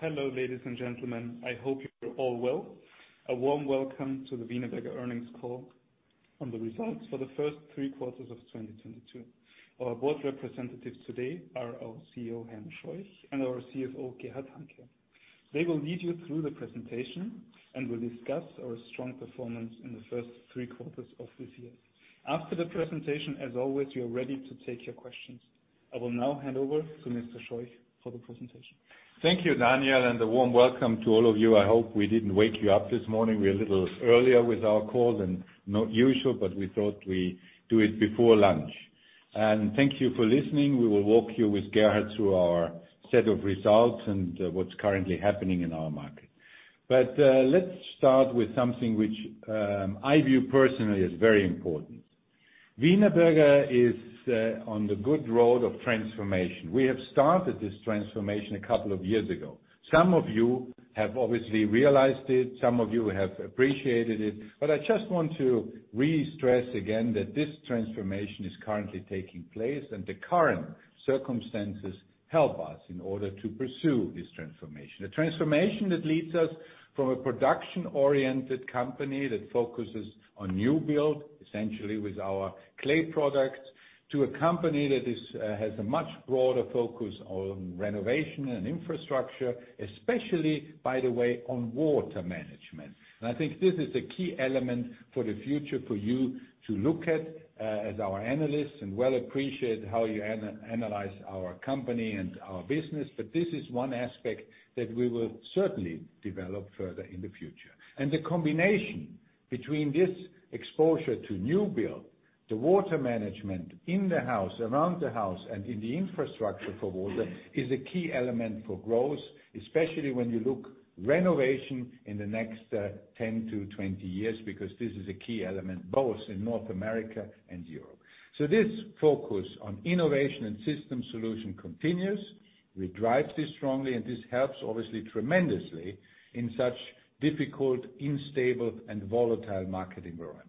Hello, ladies and gentlemen. I hope you're all well. A warm welcome to the Wienerberger earnings call on the results for the first three quarters of 2022. Our board representatives today are our CEO, Heimo Scheuch, and our CFO, Gerhard Hanke. They will lead you through the presentation, and will discuss our strong performance in the first three quarters of this year. After the presentation, as always, we are ready to take your questions. I will now hand over to Mr. Scheuch for the presentation. Thank you, Daniel, and a warm welcome to all of you. I hope we didn't wake you up this morning. We're a little earlier with our call than usual, but we thought we'd do it before lunch. Thank you for listening. We will walk you with Gerhard through our set of results and what's currently happening in our market. Let's start with something which I view personally as very important. Wienerberger is on the good road of transformation. We have started this transformation a couple of years ago. Some of you have obviously realized it, some of you have appreciated it, but I just want to restress again that this transformation is currently taking place, and the current circumstances help us in order to pursue this transformation. A transformation that leads us from a production-oriented company that focuses on new build, essentially with our clay products, to a company that is, has a much broader focus on renovation and infrastructure, especially, by the way, on water management. I think this is a key element for the future for you to look at, as our analysts, and we appreciate how you analyze our company and our business, but this is one aspect that we will certainly develop further in the future. The combination between this exposure to new build, the water management in the house, around the house, and in the infrastructure for water, is a key element for growth, especially when you look renovation in the next 10-20 years, because this is a key element both in North America and Europe. This focus on innovation and system solution continues. We drive this strongly, and this helps obviously tremendously in such difficult, unstable, and volatile market environments.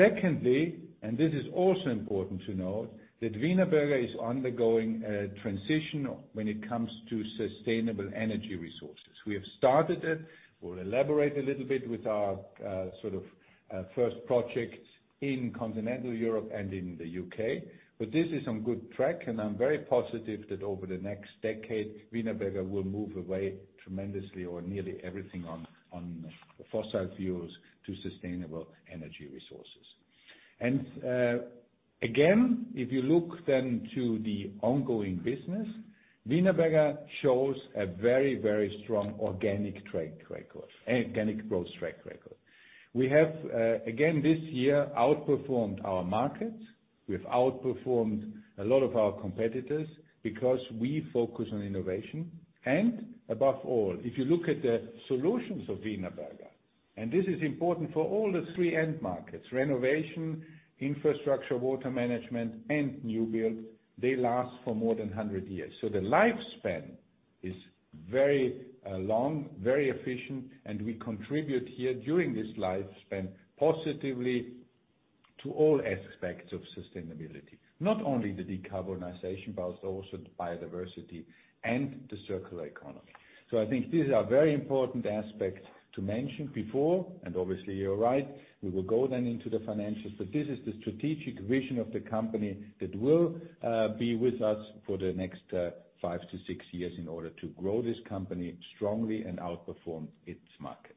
Secondly, and this is also important to note, that Wienerberger is undergoing a transition when it comes to sustainable energy resources. We have started it. We'll elaborate a little bit with our, sort of, first project in continental Europe and in the UK. This is on good track, and I'm very positive that over the next decade, Wienerberger will move away tremendously on nearly everything on fossil fuels to sustainable energy resources. Again, if you look then to the ongoing business, Wienerberger shows a very, very strong organic growth track record. We have, again this year outperformed our markets. We've outperformed a lot of our competitors because we focus on innovation and, above all, if you look at the solutions of Wienerberger, and this is important for all the three end markets, renovation, infrastructure, water management, and new build, they last for more than 100 years. The lifespan is very long, very efficient, and we contribute here during this lifespan positively to all aspects of sustainability. Not only the decarbonization, but also the biodiversity and the circular economy. I think these are very important aspects to mention before, and obviously you're right, we will go then into the financials, but this is the strategic vision of the company that will be with us for the next five to six years in order to grow this company strongly and outperform its markets.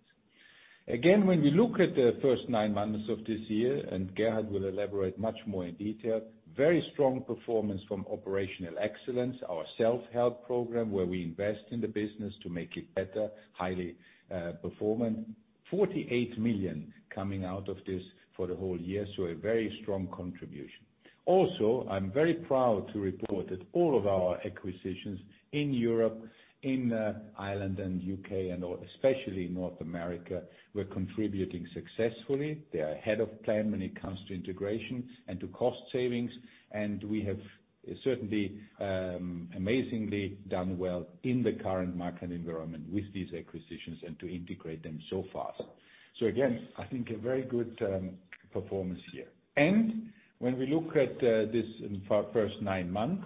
Again, when you look at the first nine months of this year, and Gerhard will elaborate much more in detail, very strong performance from operational excellence, our self-help program, where we invest in the business to make it better, highly performant. 48 million coming out of this for the whole year, so a very strong contribution. Also, I'm very proud to report that all of our acquisitions in Europe, in Ireland and UK and all, especially North America, were contributing successfully. They are ahead of plan when it comes to integration and to cost savings, and we have certainly amazingly done well in the current market environment with these acquisitions and to integrate them so fast. Again, I think a very good performance here. When we look at this in first nine months,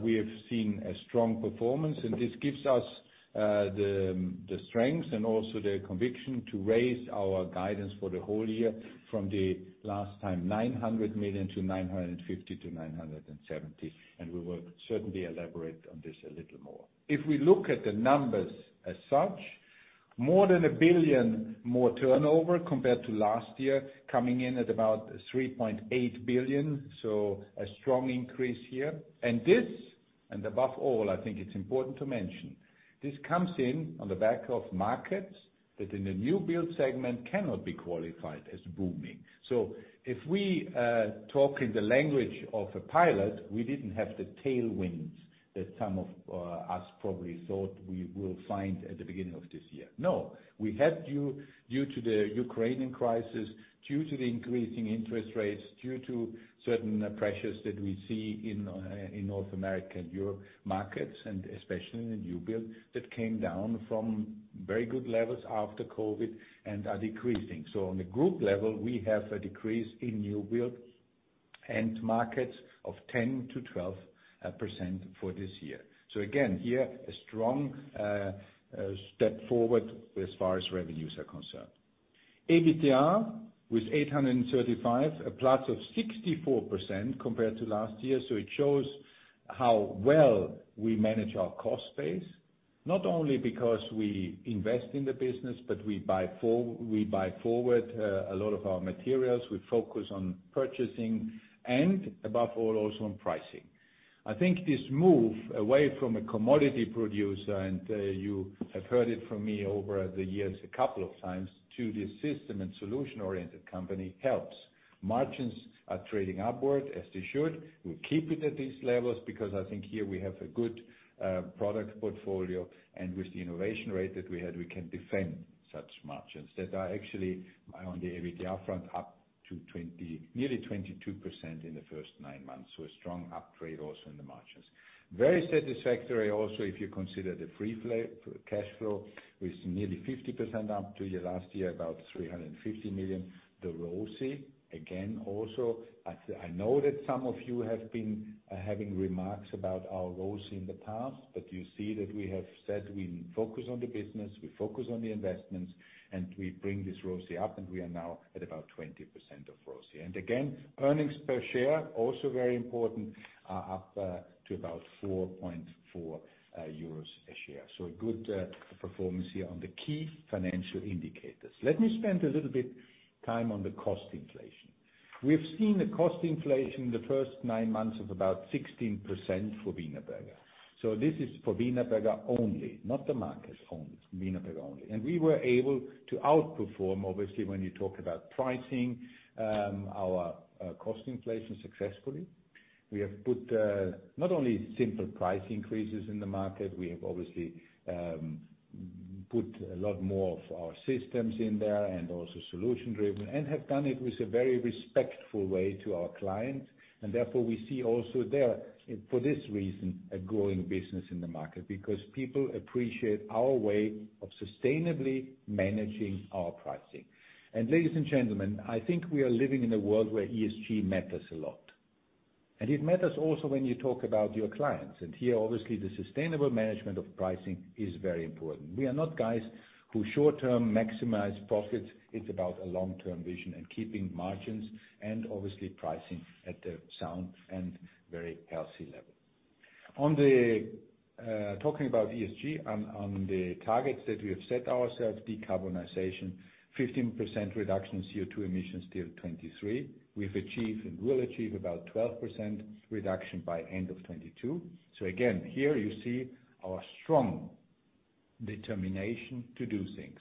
we have seen a strong performance and this gives us the strength and also the conviction to raise our guidance for the whole year from the last time, 900 million-950 million-EUR 970 million. We will certainly elaborate on this a little more. If we look at the numbers as such, more than 1 billion more turnover compared to last year, coming in at about 3.8 billion, so a strong increase here. This, and above all, I think it's important to mention, this comes in on the back of markets that in the new build segment cannot be qualified as booming. If we talk in the language of a pilot, we didn't have the tailwinds that some of us probably thought we will find at the beginning of this year. No. We had due to the Ukrainian crisis, due to the increasing interest rates, due to certain pressures that we see in North American and European markets, and especially in the new build, that came down from very good levels after COVID and are decreasing. On the group level, we have a decrease in new-build end markets of 10%-12% for this year. Again, here, a strong step forward as far as revenues are concerned. EBITDA with 835, a +64% compared to last year. It shows how well we manage our cost base, not only because we invest in the business, but we buy forward a lot of our materials. We focus on purchasing and above all, also on pricing. I think this move away from a commodity producer, and you have heard it from me over the years a couple of times, to this system and solution-oriented company helps. Margins are trading upward as they should. We'll keep it at these levels because I think here we have a good product portfolio, and with the innovation rate that we had, we can defend such margins that are actually on the EBITDA front, up to nearly 22% in the first nine months. A strong upgrade also in the margins. Very satisfactory also, if you consider the free cash flow with nearly 50% up year-over-year, about 350 million. The ROCE, again, also, I know that some of you have been having remarks about our ROCE in the past, but you see that we have said we focus on the business, we focus on the investments, and we bring this ROCE up, and we are now at about 20% ROCE. Earnings per share, also very important, are up to about 4.4 euros a share. A good performance here on the key financial indicators. Let me spend a little bit time on the cost inflation. We have seen the cost inflation in the first nine months of about 16% for Wienerberger. This is for Wienerberger only, not the market only, Wienerberger only. We were able to outperform, obviously, when you talk about pricing, our cost inflation successfully. We have put not only simple price increases in the market, we have obviously put a lot more of our systems in there and also solution-driven, and have done it with a very respectful way to our clients. Therefore we see also there, for this reason, a growing business in the market because people appreciate our way of sustainably managing our pricing. Ladies and gentlemen, I think we are living in a world where ESG matters a lot. It matters also when you talk about your clients. Here, obviously, the sustainable management of pricing is very important. We are not guys who short term maximize profits. It's about a long-term vision and keeping margins and obviously pricing at a sound and very healthy level. On the talking about ESG, on the targets that we have set ourselves, decarbonization, 15% reduction in CO₂ emissions till 2023. We've achieved and will achieve about 12% reduction by end of 2022. Again, here you see our strong determination to do things.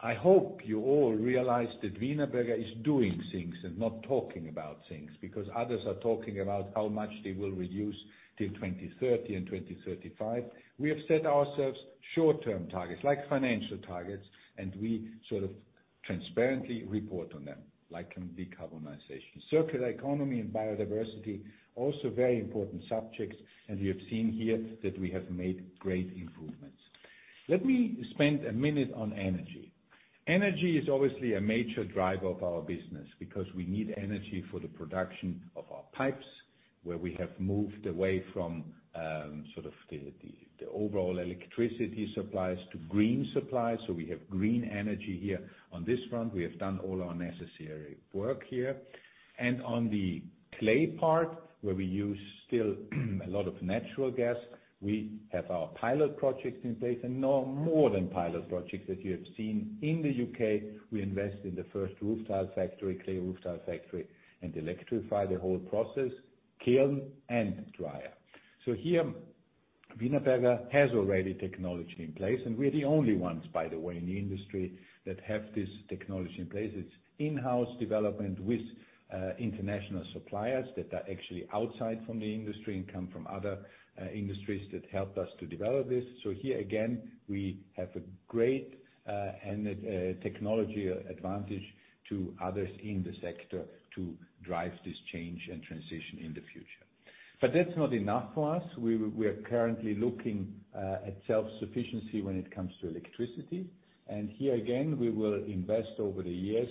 I hope you all realize that Wienerberger is doing things and not talking about things because others are talking about how much they will reduce till 2030 and 2035. We have set ourselves short-term targets, like financial targets, and we sort of transparently report on them, like on decarbonization. Circular economy and biodiversity, also very important subjects, and we have seen here that we have made great improvements. Let me spend a minute on energy. Energy is obviously a major driver of our business because we need energy for the production of our pipes, where we have moved away from sort of the overall electricity supplies to green supplies. We have green energy here on this front. We have done all our necessary work here. On the clay part, where we use still a lot of natural gas, we have our pilot projects in place and now more than pilot projects that you have seen. In the UK, we invest in the first roof tile factory, clay roof tile factory, and electrify the whole process, kiln and dryer. Here, Wienerberger has already technology in place, and we're the only ones, by the way, in the industry that have this technology in place. It's in-house development with international suppliers that are actually outside from the industry and come from other industries that help us to develop this. Here again, we have a great and a technology advantage to others in the sector to drive this change and transition in the future. That's not enough for us. We are currently looking at self-sufficiency when it comes to electricity. Here again, we will invest over the years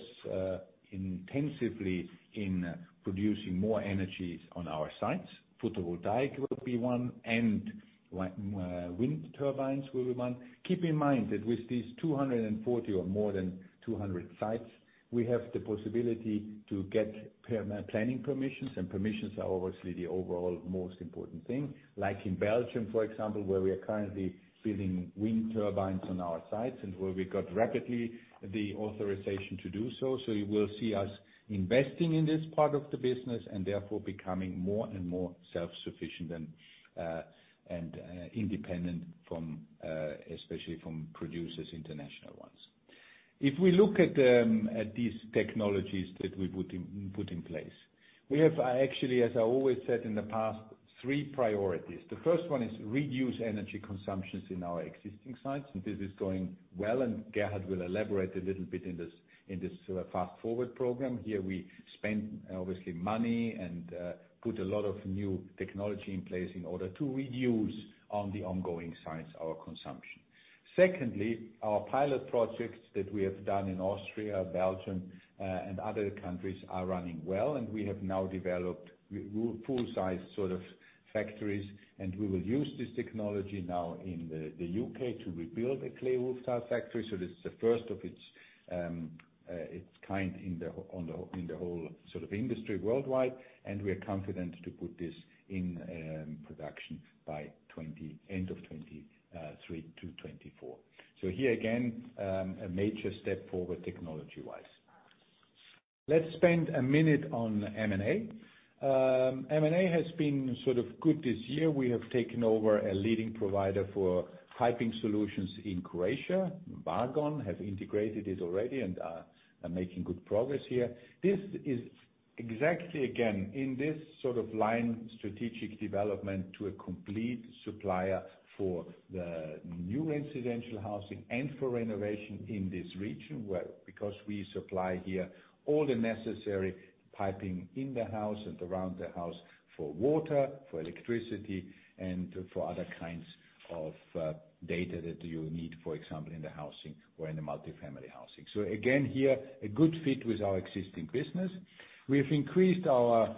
intensively in producing more energies on our sites. Photovoltaic will be one and wind turbines will be one. Keep in mind that with these 240 or more than 200 sites, we have the possibility to get planning permissions, and permissions are obviously the overall most important thing. Like in Belgium, for example, where we are currently building wind turbines on our sites and where we got rapidly the authorization to do so. You will see us investing in this part of the business and therefore becoming more and more self-sufficient and independent from, especially from producers, international ones. If we look at these technologies that we put in place. We have, actually, as I always said in the past, three priorities. The first one is reduce energy consumptions in our existing sites, and this is going well, and Gerhard will elaborate a little bit in this Fast Forward program. Here we spend, obviously, money and put a lot of new technology in place in order to reduce on the ongoing sites our consumption. Secondly, our pilot projects that we have done in Austria, Belgium, and other countries are running well, and we have now developed full-size sort of factories, and we will use this technology now in the UK to rebuild a clay roof tile factory. This is the first of its kind in the whole sort of industry worldwide, and we are confident to put this in production by 2020, end of 2023 to 2024. Here again, a major step forward technology-wise. Let's spend a minute on M&A. M&A has been sort of good this year. We have taken over a leading provider for piping solutions in Croatia. Wienerberger have integrated it already, and are making good progress here. This is exactly, again, in this sort of line, strategic development to a complete supplier for the new residential housing and for renovation in this region where, because we supply here all the necessary piping in the house and around the house for water, for electricity, and for other kinds of data that you need, for example, in the housing or in the multi-family housing. Again, here, a good fit with our existing business. We've increased our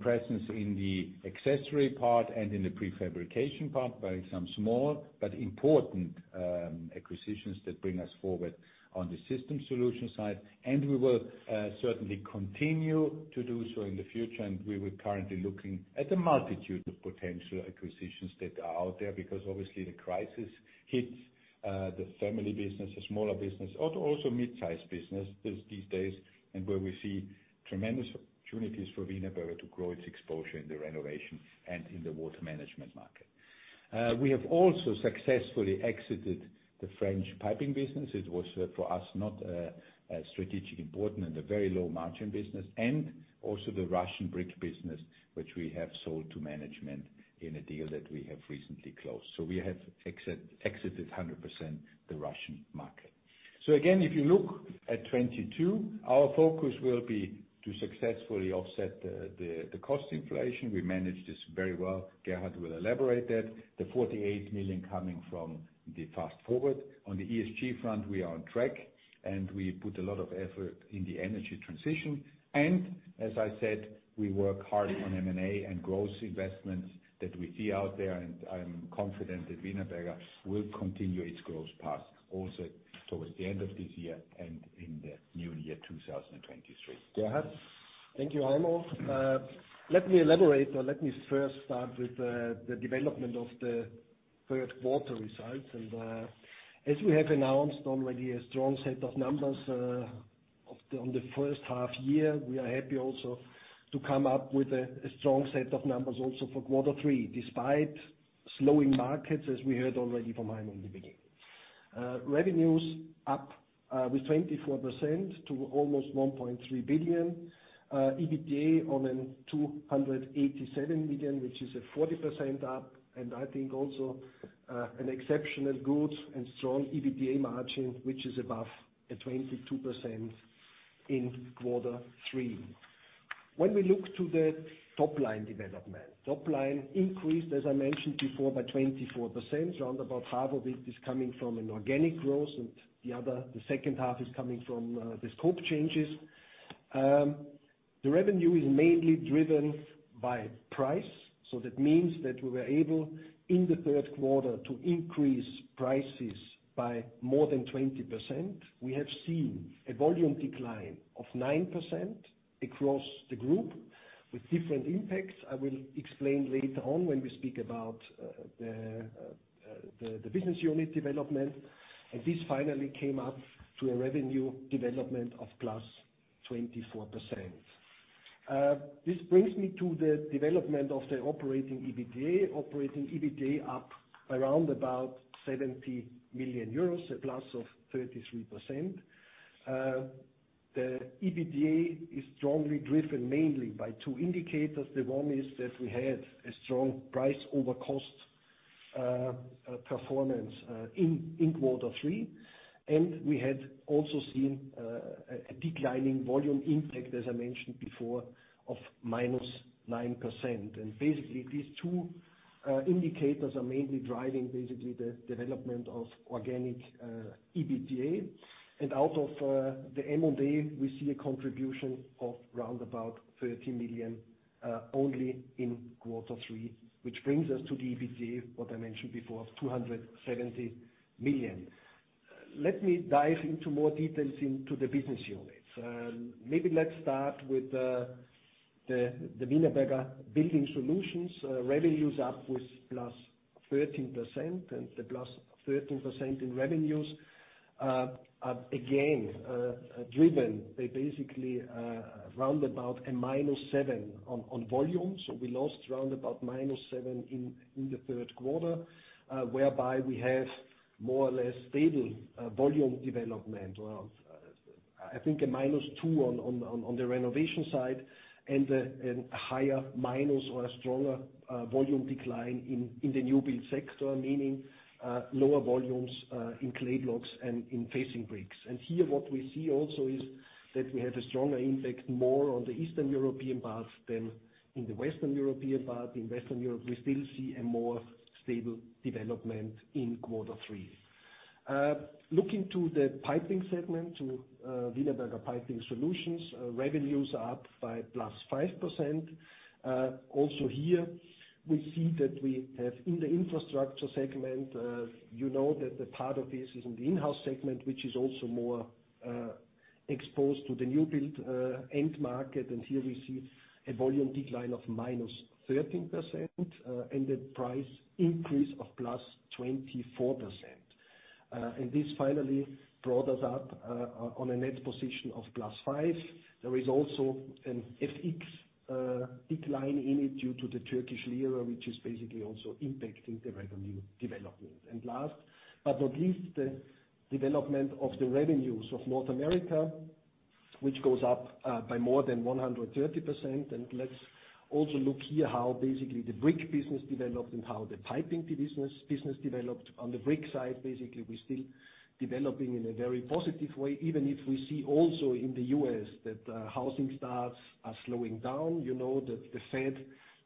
presence in the accessory part and in the prefabrication part by some small but important acquisitions that bring us forward on the system solution side. We will certainly continue to do so in the future, and we were currently looking at a multitude of potential acquisitions that are out there because obviously the crisis hits the family business, the smaller business, also mid-sized business these days, and where we see tremendous opportunities for Wienerberger to grow its exposure in the renovation and in the water management market. We have also successfully exited the French piping business. It was for us not strategically important and a very low margin business. Also the Russian brick business, which we have sold to management in a deal that we have recently closed. We have exited 100% the Russian market. Again, if you look at 2022, our focus will be to successfully offset the cost inflation. We managed this very well. Gerhard will elaborate that. The 48 million coming from the Fast Forward. On the ESG front, we are on track, and we put a lot of effort in the energy transition. As I said, we work hard on M&A and growth investments that we see out there, and I'm confident that Wienerberger will continue its growth path also towards the end of this year and in the new year, 2023. Gerhard? Thank you, Heimo. Let me elaborate. Let me first start with the development of the Q3 results. As we have announced already a strong set of numbers of the H1 year, we are happy also to come up with a strong set of numbers also for quarter three, despite slowing markets, as we heard already from Heimo in the beginning. Revenues up with 24% to almost 1.3 billion. EBITDA at 287 million, which is 40% up, and I think also an exceptional good and strong EBITDA margin, which is above 22% in quarter three. When we look to the top-line development. Top line increased, as I mentioned before, by 24%. Around about half of it is coming from an organic growth, and the other, the second half is coming from the scope changes. The revenue is mainly driven by price, so that means that we were able, in the Q3, to increase prices by more than 20%. We have seen a volume decline of 9% across the group with different impacts. I will explain later on when we speak about the business unit development. This finally came up to a revenue development of +24%. This brings me to the development of the operating EBITDA. Operating EBITDA up around about 70 million euros, a plus of 33%. The EBITDA is strongly driven mainly by two indicators. The one is that we had a strong price over cost performance in quarter three. We had also seen a declining volume impact, as I mentioned before, of -9%. Basically, these two indicators are mainly driving basically the development of organic EBITDA. Out of the M&A, we see a contribution of around 30 million only in quarter three, which brings us to the EBITDA what I mentioned before of 270 million. Let me dive into more details into the business units. Maybe let's start with the Wienerberger Building Solutions. Revenues up with +13%, and the +13% in revenues are again driven by basically around a -7% on volume. We lost round about -7% in the Q3, whereby we have more or less stable volume development. Or I think a -2% on the renovation side and a higher minus or a stronger volume decline in the new build sector, meaning lower volumes in clay blocks and in facing bricks. Here what we see also is that we have a stronger impact more on the Eastern European part than in the Western European part. In Western Europe, we still see a more stable development in quarter three. Looking to the piping segment, Wienerberger Piping Solutions, revenues are up by +5%. Also here we see that we have in the infrastructure segment, you know that a part of this is in the in-house segment, which is also more exposed to the new build end market. Here we see a volume decline of -13%, and a price increase of +24%. This finally brought us up on a net position of +5%. There is also an FX decline in it due to the Turkish lira, which is basically also impacting the revenue development. Last but not least, the development of the revenues of North America, which goes up by more than 130%. Let's also look here how basically the brick business developed and how the piping business developed. On the brick side, basically, we're still developing in a very positive way, even if we see also in the U.S. that housing starts are slowing down. You know that the Fed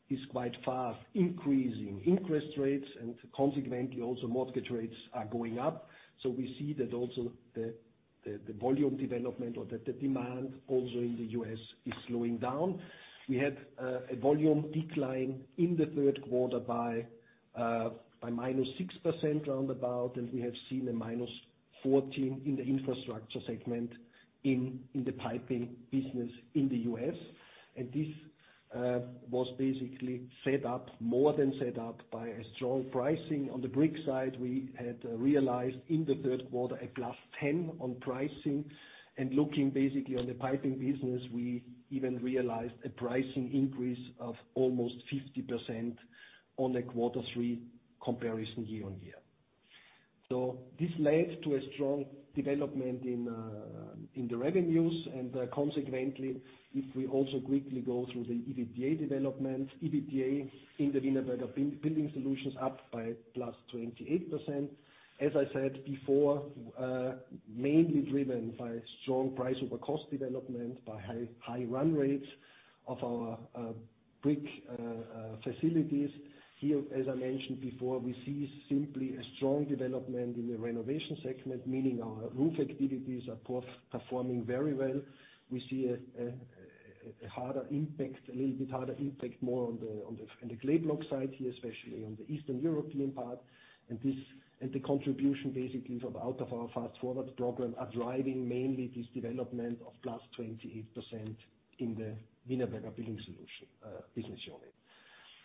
is quite fast increasing interest rates and consequently also mortgage rates are going up. We see that also the volume development or the demand also in the U.S. is slowing down. We had a volume decline in the Q3 by about -6%, and we have seen a -14% in the infrastructure segment in the piping business in the U.S. This was basically offset, more than offset by a strong pricing. On the brick side, we had realized in the Q3 a +10% on pricing. Looking basically on the piping business, we even realized a pricing increase of almost 50% on a quarter three comparison year-on-year. This led to a strong development in the revenues, and consequently, if we also quickly go through the EBITDA development, EBITDA in the Wienerberger Building Solutions up by +28%. As I said before, mainly driven by strong price over cost development, by high run rates of our brick facilities. Here, as I mentioned before, we see simply a strong development in the renovation segment, meaning our roof activities are performing very well. We see a harder impact, a little bit harder impact more on the clay block side here, especially on the Eastern European part. This contribution basically from out of our Fast Forward program is driving mainly this development of +28% in the Wienerberger Building Solutions business unit.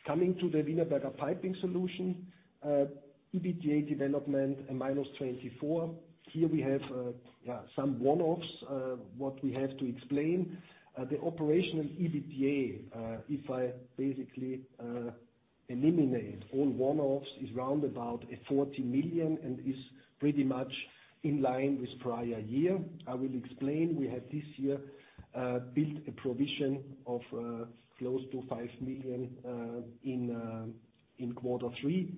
Coming to the Wienerberger Piping Solutions, EBITDA development a -24%. Here we have some one-offs what we have to explain. The operational EBITDA, if I basically eliminate all one-offs, is around 40 million and is pretty much in line with prior year. I will explain. We have this year built a provision of close to 5 million in Q3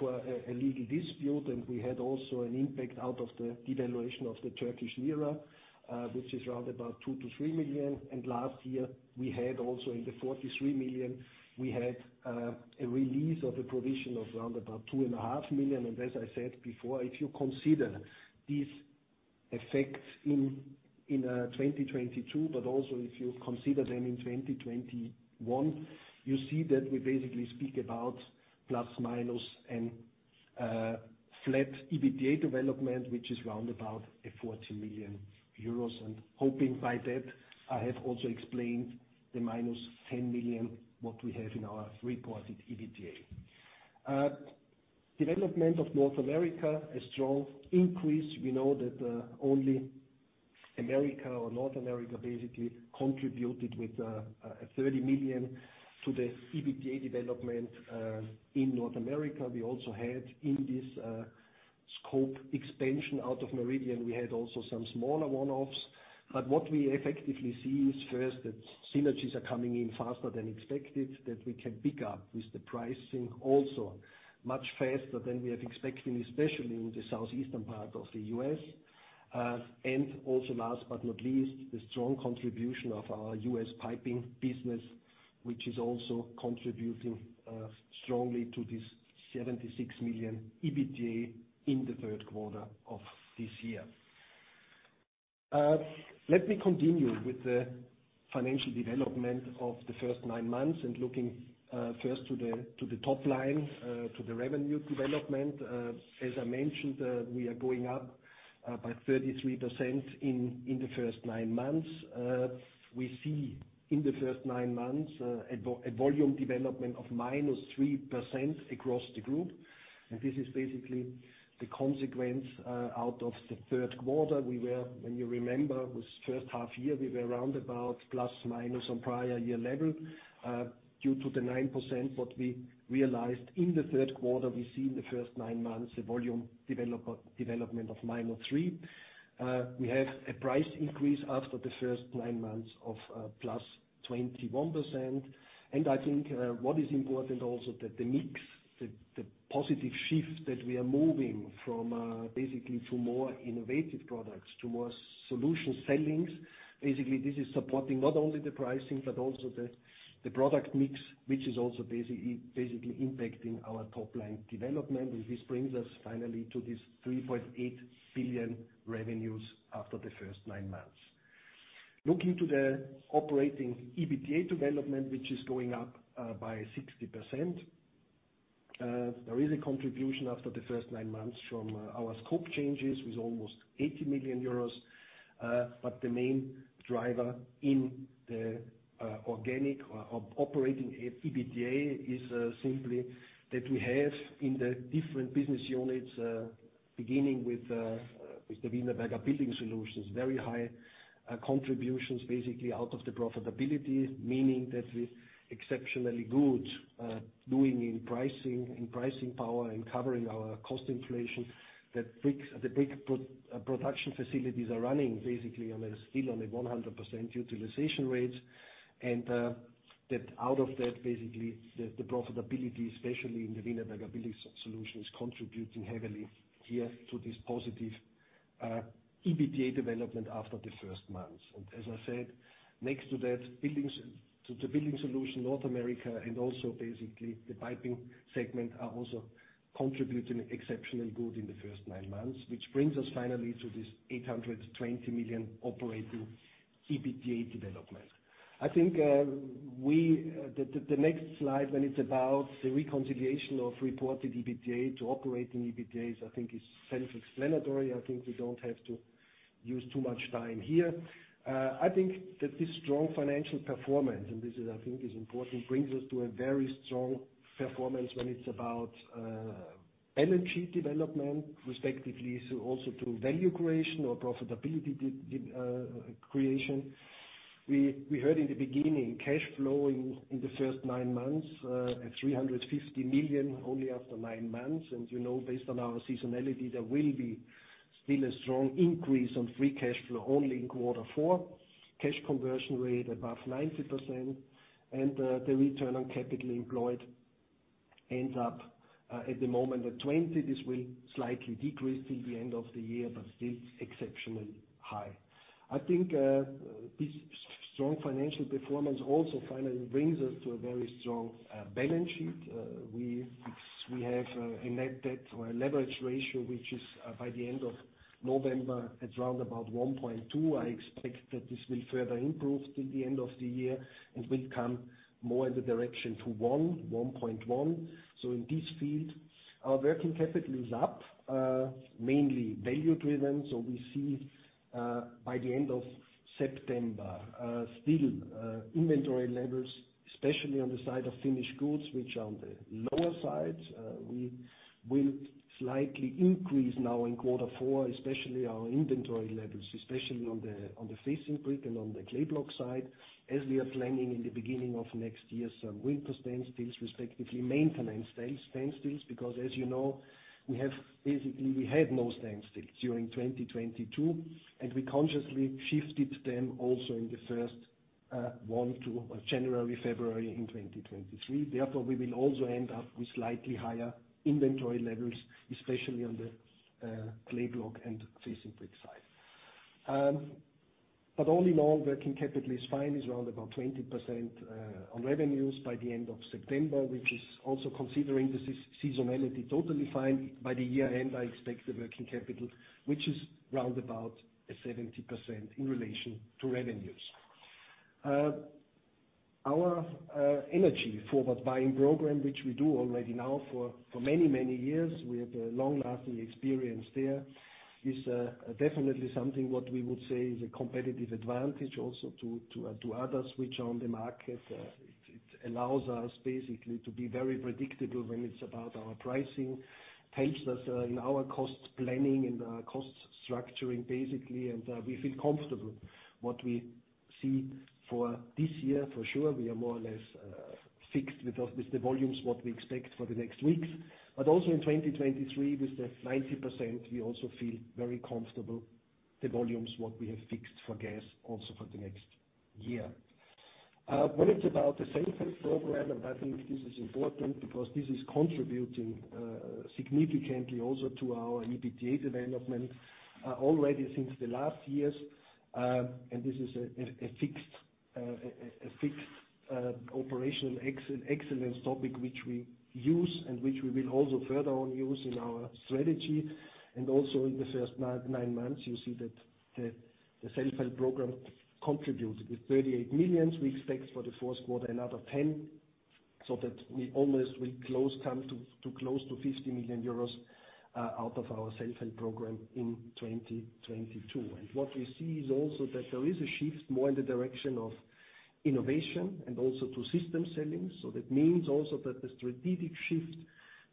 for a legal dispute. We had also an impact out of the devaluation of the Turkish lira, which is around 2 million-3 million. Last year, we had also in the 43 million, we had a release of a provision of round about 2.5 million. As I said before, if you consider these effects in 2022, but also if you consider them in 2021, you see that we basically speak about plus minus and flat EBITDA development, which is round about 40 million euros. Hoping by that, I have also explained the -10 million that we have in our reported EBITDA. Development of North America, a strong increase. We know that only America or North America basically contributed with a 30 million to the EBITDA development in North America. We also had in this scope expansion out of Meridian, we had also some smaller one-offs. What we effectively see is first, that synergies are coming in faster than expected, that we can pick up with the pricing also much faster than we have expected, especially in the southeastern part of the U.S. And also last but not least, the strong contribution of our U.S. piping business, which is also contributing strongly to this 76 million EBITDA in the Q3 of this year. Let me continue with the financial development of the first nine months and looking first to the top line, to the revenue development. As I mentioned, we are going up by 33% in the first nine months. We see in the first nine months a volume development of -3% across the group. This is basically the consequence out of the Q3. We were, when you remember, in the H1 year, we were around plus minus on prior year level. Due to the 9% that we realized in the Q3, we see in the first nine months a volume development of -3%. We have a price increase after the first nine months of +21%. I think what is important also that the mix, the positive shift that we are moving from basically to more innovative products, to more solution selling. Basically, this is supporting not only the pricing but also the product mix, which is also basically impacting our top line development. This brings us finally to 3.8 billion revenues after the first nine months. Looking to the operating EBITDA development, which is going up by 60%. There is a contribution after the first 9 months from our scope changes with almost 80 million euros. The main driver in the organic or operating EBITDA is simply that we have in the different business units, beginning with the Wienerberger Building Solutions, very high contributions, basically out of the profitability. Meaning that we exceptionally good doing in pricing, in pricing power and covering our cost inflation. The big production facilities are running basically still on a 100% utilization rates. That, basically the profitability, especially in the Wienerberger Building Solutions, contributing heavily here to this positive EBITDA development after the first nine months. As I said, next to that, Building Solutions, North America and also basically the Piping Solutions segment are also contributing exceptionally good in the first nine months. Which brings us finally to this 820 million operating EBITDA development. I think the next slide, when it's about the reconciliation of reported EBITDA to operating EBITDA, is self-explanatory. I think we don't have to use too much time here. I think that this strong financial performance, and this is important, brings us to a very strong performance when it's about energy development, respectively, so also to value creation or profitability creation. We heard in the beginning, cash flow in the first nine months at 350 million only after nine months. You know, based on our seasonality, there will be still a strong increase on free cash flow only in quarter four. Cash conversion rate above 90%. The return on capital employed ends up at the moment at 20. This will slightly decrease till the end of the year, but still exceptionally high. I think, this strong financial performance also finally brings us to a very strong balance sheet. We have a net debt or a leverage ratio, which is by the end of November, it's around 1.2. I expect that this will further improve till the end of the year, and we come more in the direction to 1.1. So in this field, our working capital is up mainly value-driven. We see by the end of September still inventory levels, especially on the side of finished goods, which are on the lower side. We will slightly increase now in quarter four, especially our inventory levels, especially on the facing brick and on the clay block side, as we are planning in the beginning of next year, some winter standstills, respectively, maintenance standstills. Because as you know, basically we had no standstills during 2022, and we consciously shifted them also in the first one to January, February in 2023. Therefore, we will also end up with slightly higher inventory levels, especially on the clay block and facing brick side. All in all, working capital is fine, is around about 20% on revenues by the end of September, which is also considering the seasonality totally fine. By year-end, I expect the working capital, which is round about 70% in relation to revenues. Our energy forward buying program, which we do already now for many years, we have a long-lasting experience there, is definitely something what we would say is a competitive advantage also to others which are on the market. It allows us basically to be very predictable when it's about our pricing. Helps us in our cost planning and cost structuring, basically, and we feel comfortable what we see for this year, for sure. We are more or less fixed with the volumes what we expect for the next weeks. Also in 2023, with the 90%, we also feel very comfortable the volumes what we have fixed for gas also for the next year. when it's about the self-help program, I think this is important because this is contributing significantly also to our EBITDA development already since the last years. this is a fixed operational excellence topic which we use and which we will also further on use in our strategy. also in the first nine months, you see that the self-help program contributed with 38 million. We expect for the Q4 another 10 million. So that we almost will come close to 50 million euros out of our self-help program in 2022. What we see is also that there is a shift more in the direction of innovation and also to system selling. That means also that the strategic shift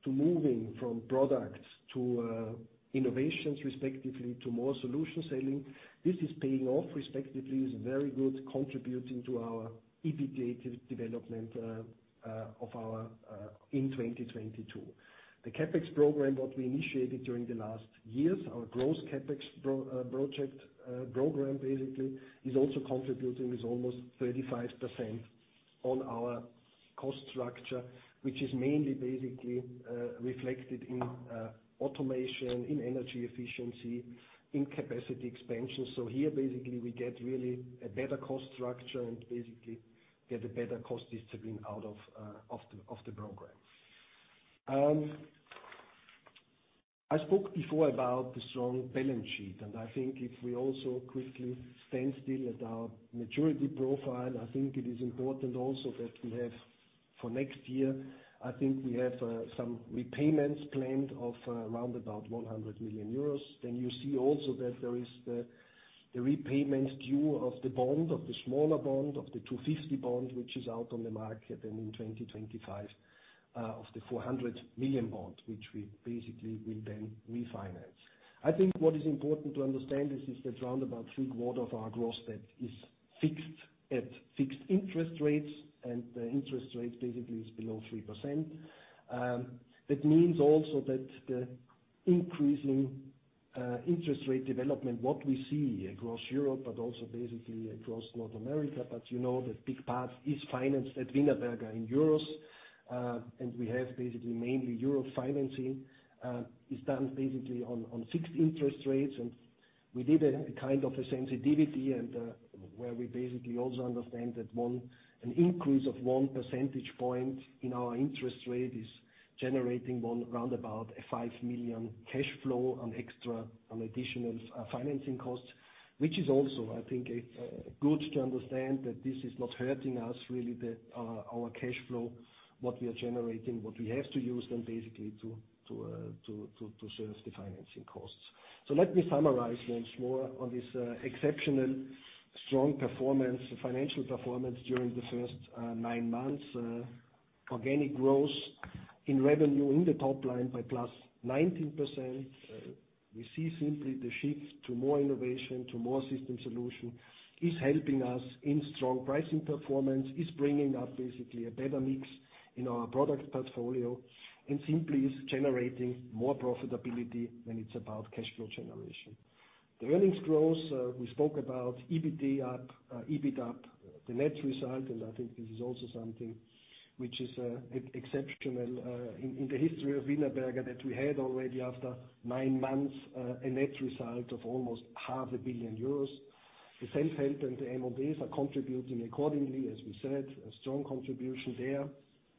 to moving from products to innovations respectively to more solution selling, this is paying off respectively. It's very good contributing to our EBITDA development in 2022. The CapEx program, what we initiated during the last years, our gross CapEx program basically is also contributing with almost 35% on our cost structure, which is mainly reflected in automation, in energy efficiency, in capacity expansion. Here, basically, we get really a better cost structure and basically get a better cost discipline out of the program. I spoke before about the strong balance sheet, and I think if we also quickly stand still at our maturity profile, I think it is important also that we have for next year, I think we have some repayments planned of around about 100 million euros. Then you see also that there is the repayment due of the bond, of the smaller bond, of the 250 bond, which is out on the market, and in 2025 of the 400 million bond, which we basically will then refinance. I think what is important to understand this is that around about three-quarters of our gross debt is fixed at fixed interest rates, and the interest rate basically is below 3%. That means also that the increasing interest rate development, what we see across Europe but also basically across North America, but you know that big part is financed at Wienerberger in euros, and we have basically mainly euro financing is done basically on fixed interest rates. We did a kind of sensitivity where we basically also understand that an increase of 1 percentage point in our interest rate is generating round about 5 million cash flow on additional financing costs, which is also, I think, good to understand that this is not hurting us really our cash flow what we are generating what we have to use then basically to service the financing costs. Let me summarize once more on this exceptionally strong financial performance during the first nine months. Organic growth in revenue, the top line, by +19%. We see simply the shift to more innovation, to more system solution is helping us in strong pricing performance, is bringing up basically a better mix in our product portfolio, and simply is generating more profitability when it's about cash flow generation. The earnings growth we spoke about, EBIT up. The net result, I think this is also something which is exceptional in the history of Wienerberger that we had already after nine months, a net result of almost half a billion euros. The self-help and the M&As are contributing accordingly, as we said, a strong contribution there.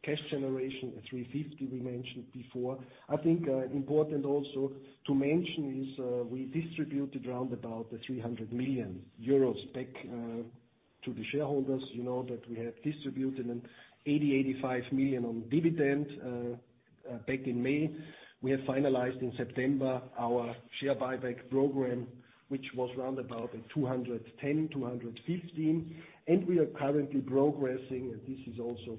Cash generation at 350 million, we mentioned before. I think important also to mention is we distributed around about 300 million euros back to the shareholders. You know that we have distributed 85 million on dividends back in May. We have finalized in September our share buyback program, which was around about 210-215. We are currently progressing, and this is also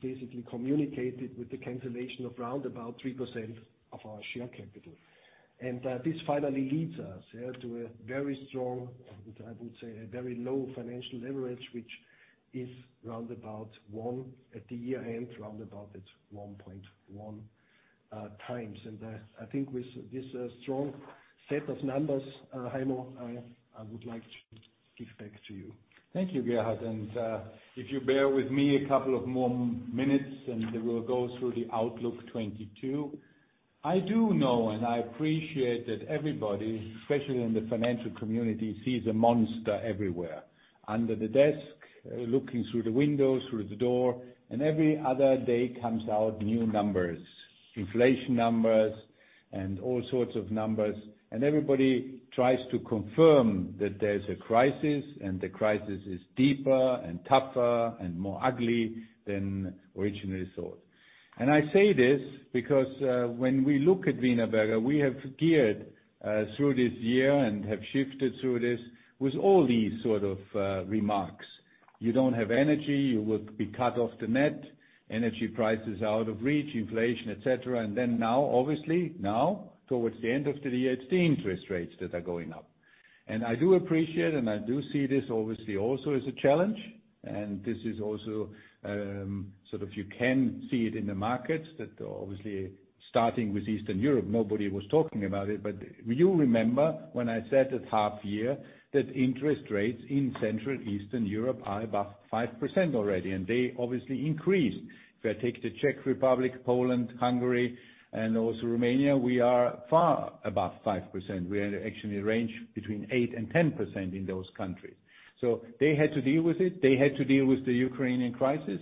basically communicated with the cancellation of around about 3% of our share capital. This finally leads us, yeah, to a very strong, I would say, a very low financial leverage, which is around about one, at the year-end, around about at 1.1x. I think with this strong set of numbers, Heimo, I would like to give back to you. Thank you, Gerhard. If you bear with me a couple of more minutes, we will go through the outlook 2022. I do know and I appreciate that everybody, especially in the financial community, sees a monster everywhere. Under the desk, looking through the windows, through the door, every other day comes out new numbers. Inflation numbers and all sorts of numbers. Everybody tries to confirm that there's a crisis, and the crisis is deeper and tougher and more ugly than originally thought. I say this because when we look at Wienerberger, we have geared through this year and have shifted through this with all these sort of remarks. You don't have energy, you will be cut off the net, energy price is out of reach, inflation, et cetera. Now, obviously, towards the end of the year, it's the interest rates that are going up. I do appreciate and I do see this obviously also as a challenge. This is also, sort of you can see it in the markets that obviously starting with Eastern Europe, nobody was talking about it. You remember when I said at half year that interest rates in Central Eastern Europe are above 5% already, and they obviously increased. If I take the Czech Republic, Poland, Hungary, and also Romania, we are far above 5%. We are actually range between 8%-10% in those countries. They had to deal with it. They had to deal with the Ukrainian crisis.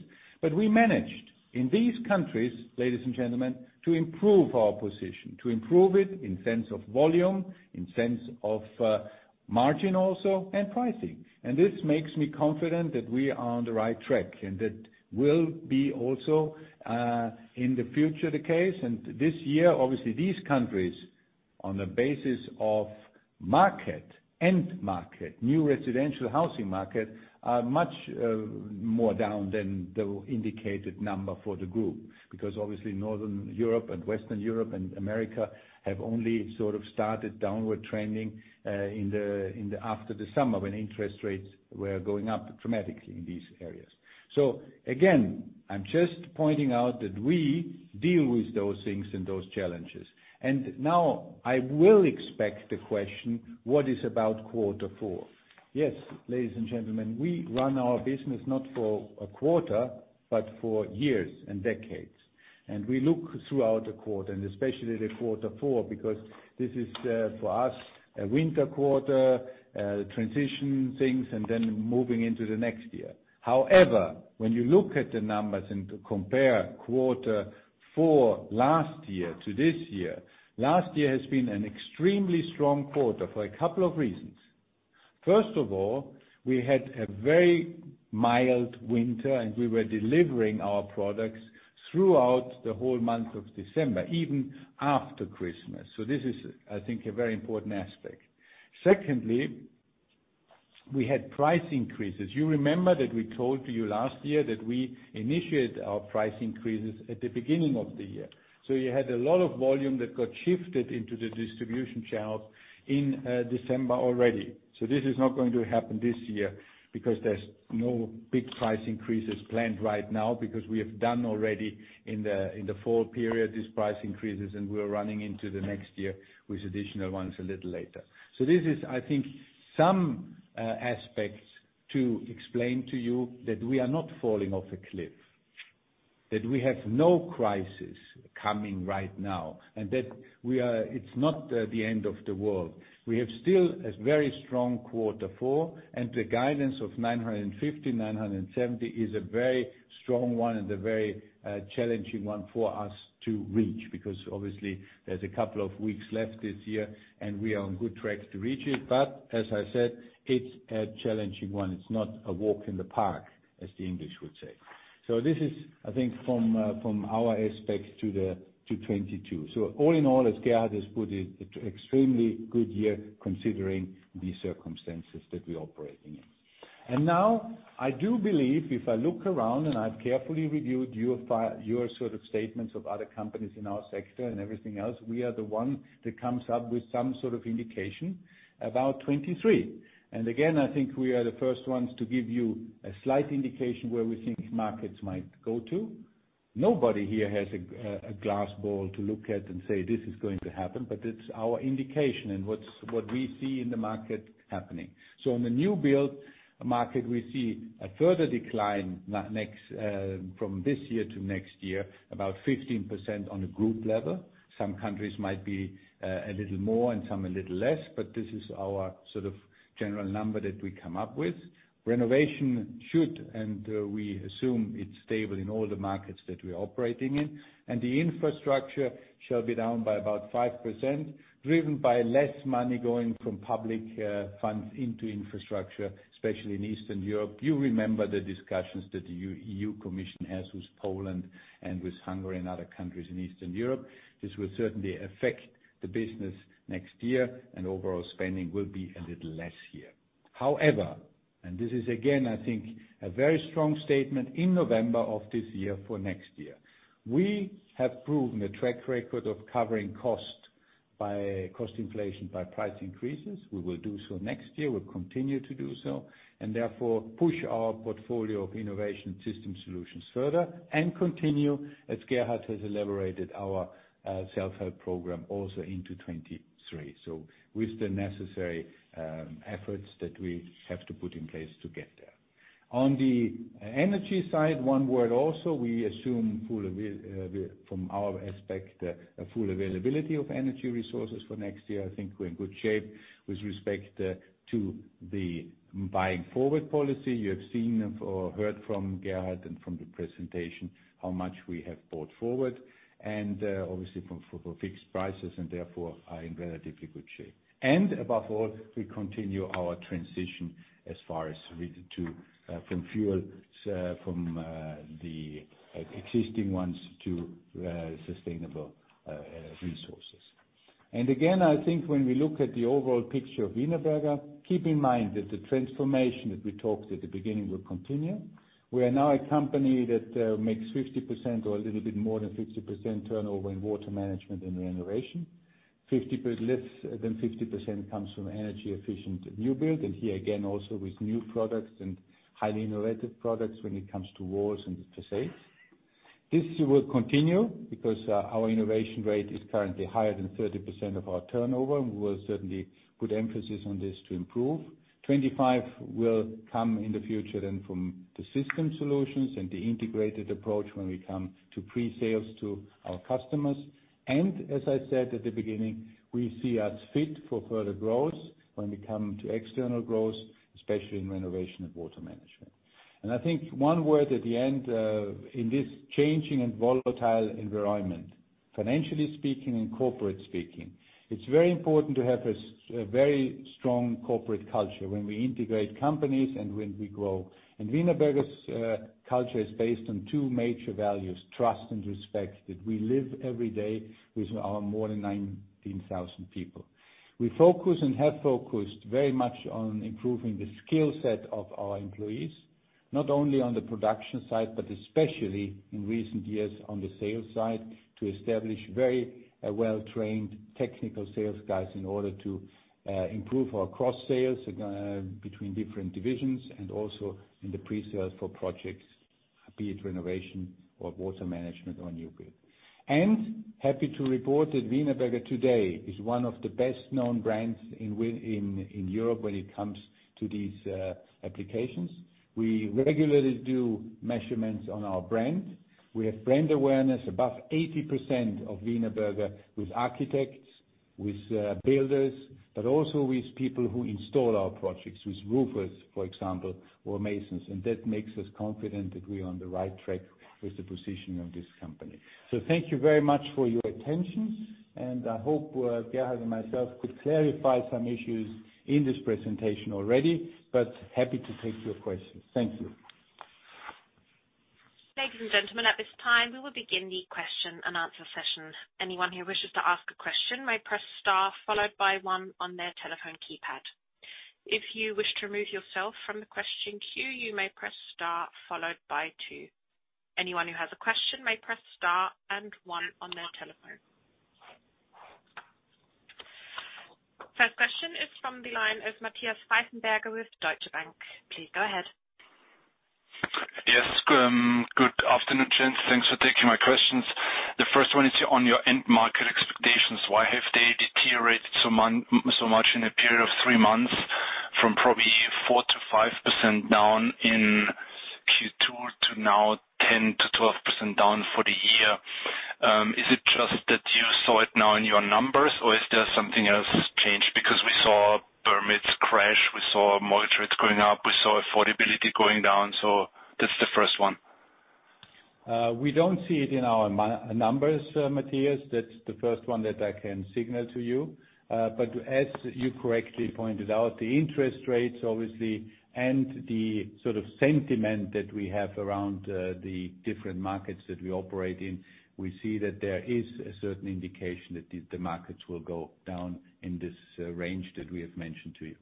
We managed in these countries, ladies and gentlemen, to improve our position, to improve it in sense of volume, in sense of margin also, and pricing. This makes me confident that we are on the right track, and that will be also in the future the case. This year, obviously, these countries, on the basis of market, end market, new residential housing market, are much more down than the indicated number for the group. Because obviously Northern Europe and Western Europe and America have only sort of started downward trending after the summer, when interest rates were going up dramatically in these areas. Again, I'm just pointing out that we deal with those things and those challenges. Now I will expect the question, what is about quarter four? Yes, ladies and gentlemen, we run our business not for a quarter, but for years and decades. We look throughout the quarter, and especially the quarter four, because this is, for us, a winter quarter, transition things, and then moving into the next year. However, when you look at the numbers and compare quarter four last year to this year, last year has been an extremely strong quarter for a couple of reasons. First of all, we had a very mild winter, and we were delivering our products throughout the whole month of December, even after Christmas. This is, I think, a very important aspect. Secondly, we had price increases. You remember that we told you last year that we initiate our price increases at the beginning of the year. You had a lot of volume that got shifted into the distribution shelves in December already. This is not going to happen this year because there's no big price increases planned right now because we have done already in the fall period, these price increases, and we're running into the next year with additional ones a little later. This is, I think, some aspects to explain to you that we are not falling off a cliff. We have no crisis coming right now, and we are—it's not the end of the world. We have still a very strong quarter four, and the guidance of 950-970 is a very strong one and a very challenging one for us to reach. Because obviously there's a couple of weeks left this year, and we are on good track to reach it. As I said, it's a challenging one. It's not a walk in the park, as the English would say. This is, I think, from our aspects to the 2022. All in all, as Gerhard has put it, extremely good year considering the circumstances that we operating in. Now, I do believe if I look around, and I've carefully reviewed your sort of statements of other companies in our sector and everything else, we are the one that comes up with some sort of indication about 2023. Again, I think we are the first ones to give you a slight indication where we think markets might go to. Nobody here has a glass ball to look at and say, "This is going to happen," but it's our indication and what we see in the market happening. In the new build market, we see a further decline next, from this year to next year, about 15% on a group level. Some countries might be a little more and some a little less, but this is our sort of general number that we come up with. Renovation should and we assume it's stable in all the markets that we are operating in. The infrastructure shall be down by about 5%, driven by less money going from public funds into infrastructure, especially in Eastern Europe. You remember the discussions that the European Commission has with Poland and with Hungary and other countries in Eastern Europe. This will certainly affect the business next year and overall spending will be a little less here. However, this is again, I think, a very strong statement in November of this year for next year. We have proven a track record of covering cost inflation by price increases. We will do so next year. We'll continue to do so, and therefore push our portfolio of innovation system solutions further and continue, as Gerhard has elaborated, our self-help program also into 2023. With the necessary efforts that we have to put in place to get there. On the energy side, one word also, we assume full availability from our aspect of energy resources for next year. I think we're in good shape with respect to the buying forward policy. You have seen or heard from Gerhard and from the presentation how much we have bought forward and obviously for fixed prices and therefore are in relatively good shape. Above all, we continue our transition as far as we need to from fuels from the existing ones to sustainable resources. Again, I think when we look at the overall picture of Wienerberger, keep in mind that the transformation that we talked at the beginning will continue. We are now a company that makes 50% or a little bit more than 50% turnover in water management and renovation. Less than 50% comes from energy efficient new build. Here again, also with new products and highly innovative products when it comes to walls and facades. This will continue because our innovation rate is currently higher than 30% of our turnover, and we will certainly put emphasis on this to improve. 25 will come in the future than from the system solutions and the integrated approach when we come to pre-sales to our customers. As I said at the beginning, we see us fit for further growth when we come to external growth, especially in renovation and water management. I think one word at the end, in this changing and volatile environment, financially speaking and corporate speaking, it's very important to have a very strong corporate culture when we integrate companies and when we grow. Wienerberger's culture is based on two major values, trust and respect, that we live every day with our more than 19,000 people. We focus and have focused very much on improving the skill set of our employees, not only on the production side, but especially in recent years on the sales side, to establish very well-trained technical sales guys in order to improve our cross sales between different divisions and also in the pre-sales for projects, be it renovation or water management or new build. Happy to report that Wienerberger today is one of the best-known brands in Europe when it comes to these applications. We regularly do measurements on our brand. We have brand awareness, about 80% of Wienerberger with architects, with builders, but also with people who install our projects, with roofers, for example, or masons. That makes us confident that we're on the right track with the positioning of this company. Thank you very much for your attention, and I hope, Gerhard and myself could clarify some issues in this presentation already, but happy to take your questions. Thank you. Ladies and gentlemen, at this time, we will begin the question and answer session. Anyone who wishes to ask a question may press star followed by one on their telephone keypad. If you wish to remove yourself from the question queue, you may press star followed by two. Anyone who has a question may press star and one on their telephone. First question is from the line of Matthias Weissenberger with Deutsche Bank. Please go ahead. Yes. Good afternoon, gents. Thanks for taking my questions. The first one is on your end market expectations. Why have they deteriorated so much in a period of three months from probably 4%-5% down in Q2 to now 10%-12% down for the year? Is it just that you saw it now in your numbers, or is there something else changed? Because we saw permits crash, we saw mortgage rates going up, we saw affordability going down. That's the first one. We don't see it in our numbers, Matthias. That's the first one that I can signal to you. As you correctly pointed out, the interest rates obviously and the sort of sentiment that we have around the different markets that we operate in, we see that there is a certain indication that the markets will go down in this range that we have mentioned to you.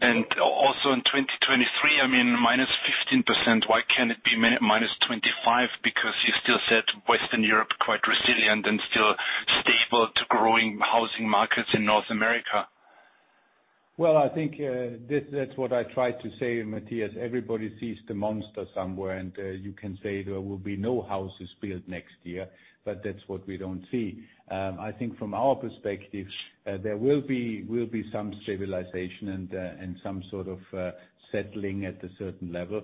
Thank you. Also in 2023, I mean, -15%. Why can't it be -25%? Because you still said Western Europe, quite resilient and still stable to growing housing markets in North America. Well, I think that's what I tried to say, Matthias. Everybody sees the monster somewhere, and you can say there will be no houses built next year, but that's what we don't see. I think from our perspective, there will be some stabilization and some sort of settling at a certain level.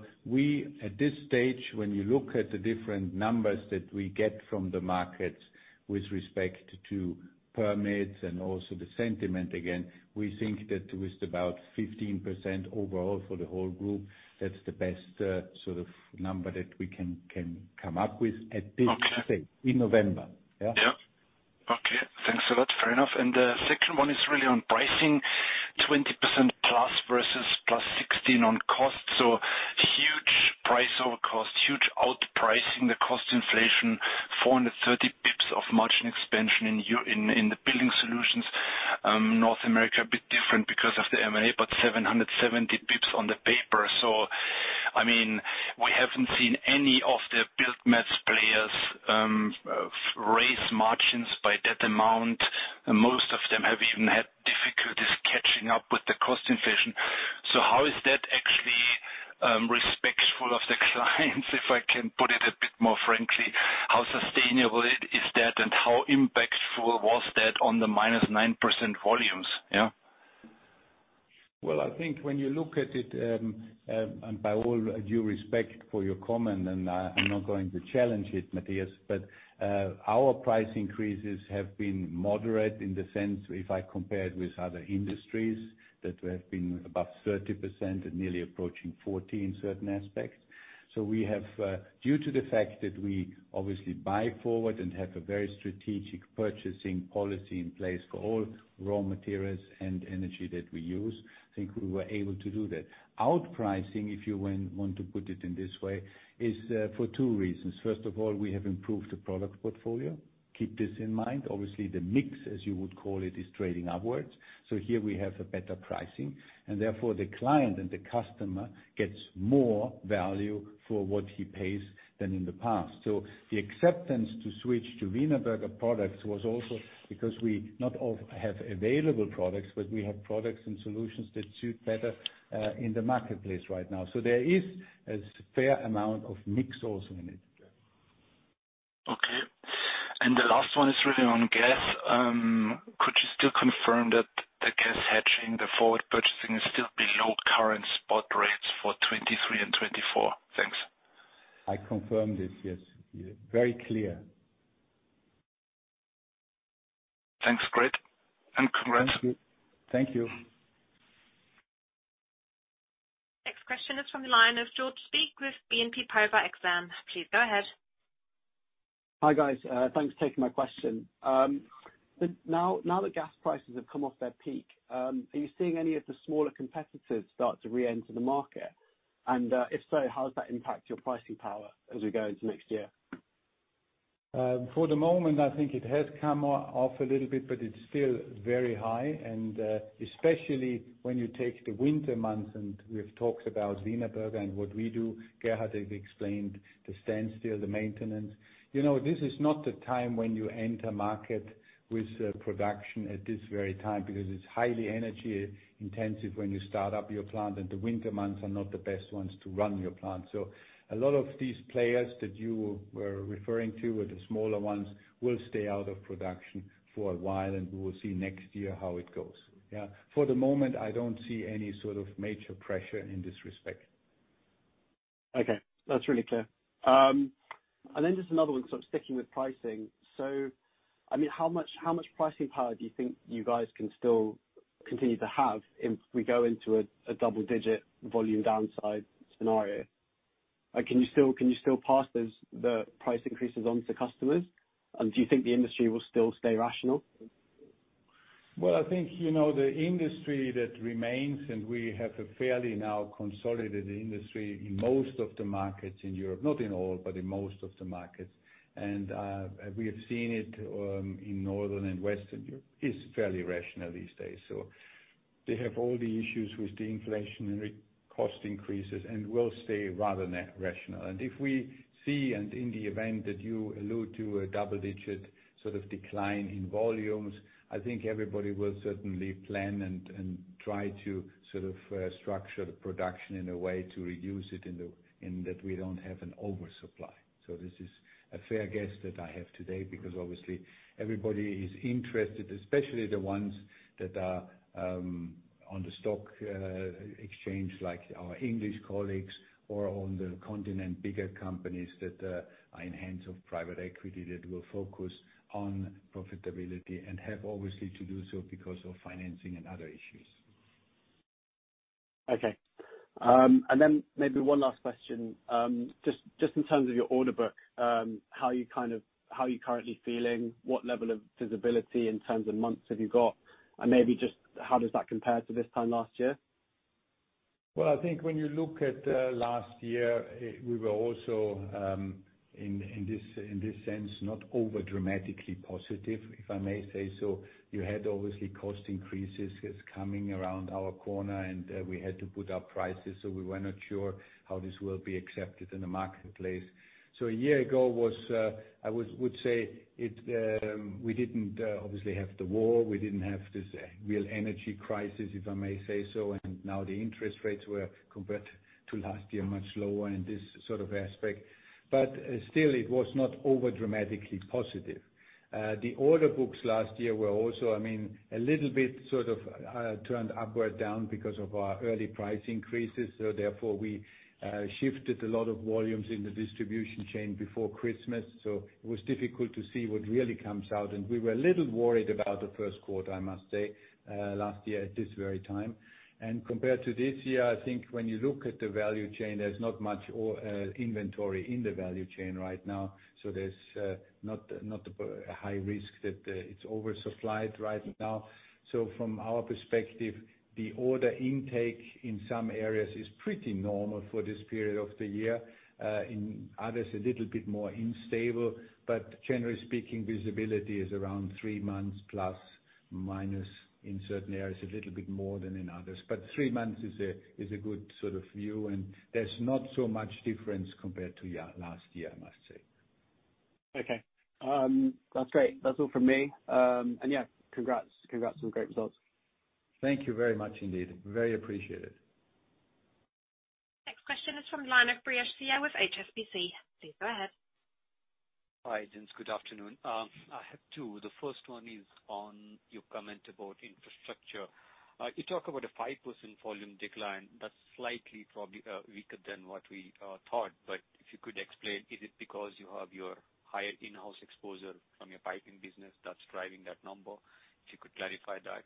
At this stage, when you look at the different numbers that we get from the markets with respect to permits and also the sentiment, again, we think that with about 15% overall for the whole group, that's the best sort of number that we can come up with at this stage in November. Yeah. Yeah. Okay, thanks a lot. Fair enough. The second one is really on pricing. +20% versus +16% on cost. Huge price over cost, huge outpricing the cost inflation, 430 basis points of margin expansion in the building solutions. North America a bit different because of the M&A, but 770 basis points on the paper. I mean, we haven't seen any of the building materials players raise margins by that amount. Most of them have even had difficulties catching up with the cost inflation. How is that actually respectful of the clients? If I can put it a bit more frankly, how sustainable is that and how impactful was that on the -9% volumes? Yeah. Well, I think when you look at it, and by all due respect for your comment, and I'm not going to challenge it, Matthias, but our price increases have been moderate in the sense, if I compare it with other industries, that we have been above 30% and nearly approaching 40% in certain aspects. We have, due to the fact that we obviously buy forward and have a very strategic purchasing policy in place for all raw materials and energy that we use, I think we were able to do that. Outpricing, if you want to put it in this way, is for two reasons. First of all, we have improved the product portfolio. Keep this in mind. Obviously, the mix, as you would call it, is trading upwards. Here we have a better pricing, and therefore the client and the customer gets more value for what he pays than in the past. The acceptance to switch to Wienerberger products was also because we not only have available products, but we have products and solutions that suit better, in the marketplace right now. There is a fair amount of mix also in it. Okay. The last one is really on gas. Could you still confirm that the gas hedging, the forward purchasing is still below current spot rates for 2023 and 2024? Thanks. I confirm this, yes. Very clear. Thanks, Gerhard, and congrats. Thank you. Next question is from the line of George Speake with BNP Paribas Exane. Please go ahead. Hi, guys. Thanks for taking my question. Now that gas prices have come off their peak, are you seeing any of the smaller competitors start to re-enter the market? If so, how does that impact your pricing power as we go into next year? For the moment, I think it has come off a little bit, but it's still very high and, especially when you take the winter months, and we've talked about Wienerberger and what we do. Gerhard have explained the standstill, the maintenance. You know, this is not the time when you enter market with production at this very time because it's highly energy intensive when you start up your plant, and the winter months are not the best ones to run your plant. A lot of these players that you were referring to, or the smaller ones, will stay out of production for a while, and we will see next year how it goes. Yeah. For the moment, I don't see any sort of major pressure in this respect. Okay, that's really clear. Just another one sort of sticking with pricing. I mean, how much pricing power do you think you guys can still continue to have if we go into a double-digit volume downside scenario? Can you still pass those price increases on to customers? And do you think the industry will still stay rational? Well, I think, you know, the industry that remains, and we have a fairly now consolidated industry in most of the markets in Europe, not in all, but in most of the markets. We have seen it in Northern and Western Europe is fairly rational these days. They have all the issues with the inflation and raw cost increases and will stay rather irrational. If we see, in the event that you allude to a double-digit sort of decline in volumes, I think everybody will certainly plan and try to sort of structure the production in a way to reduce it in that we don't have an oversupply. This is a fair guess that I have today, because obviously everybody is interested, especially the ones that are on the stock exchange, like our English colleagues or on the continent, bigger companies that are in hands of private equity that will focus on profitability and have obviously to do so because of financing and other issues. Okay. Maybe one last question. Just in terms of your order book, how are you currently feeling? What level of visibility in terms of months have you got? Maybe just how does that compare to this time last year? Well, I think when you look at last year, we were also in this sense not over dramatically positive, if I may say so. You had obviously cost increases coming around the corner and we had to put up prices, so we were not sure how this will be accepted in the marketplace. A year ago was, I would say it, we didn't obviously have the war, we didn't have this real energy crisis, if I may say so. Now the interest rates were compared to last year much lower in this sort of aspect. Still, it was not over dramatically positive. The order books last year were also, I mean, a little bit sort of turned upside down because of our early price increases. We shifted a lot of volumes in the distribution chain before Christmas. It was difficult to see what really comes out. We were a little worried about the first quarter, I must say, last year at this very time. Compared to this year, I think when you look at the value chain, there's not much inventory in the value chain right now. There's not a high risk that it's oversupplied right now. From our perspective, the order intake in some areas is pretty normal for this period of the year. In others, a little bit more unstable, but generally speaking, visibility is around three months plus, minus in certain areas, a little bit more than in others. Three months is a good sort of view, and there's not so much difference compared to last year, I must say. Okay. That's great. That's all from me. Yeah, congrats on great results. Thank you very much indeed. Very appreciated. Next question is from line of Paul Chabran with HSBC. Please go ahead. Hi, gents. Good afternoon. I have two. The first one is on your comment about infrastructure. You talk about a 5% volume decline. That's slightly probably weaker than what we thought. If you could explain, is it because you have your higher in-house exposure from your piping business that's driving that number? If you could clarify that.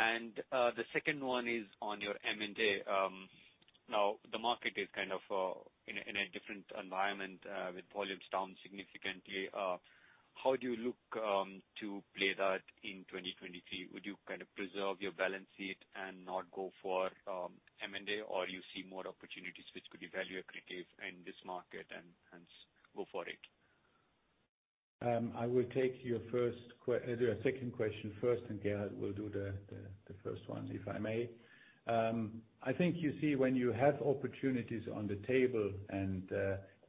The second one is on your M&A. Now the market is kind of in a different environment with volumes down significantly. How do you look to play that in 2023? Would you kind of preserve your balance sheet and not go for M&A, or you see more opportunities which could be value accretive in this market and go for it? I will take your second question first, and Gerhard will do the first one if I may. I think you see when you have opportunities on the table and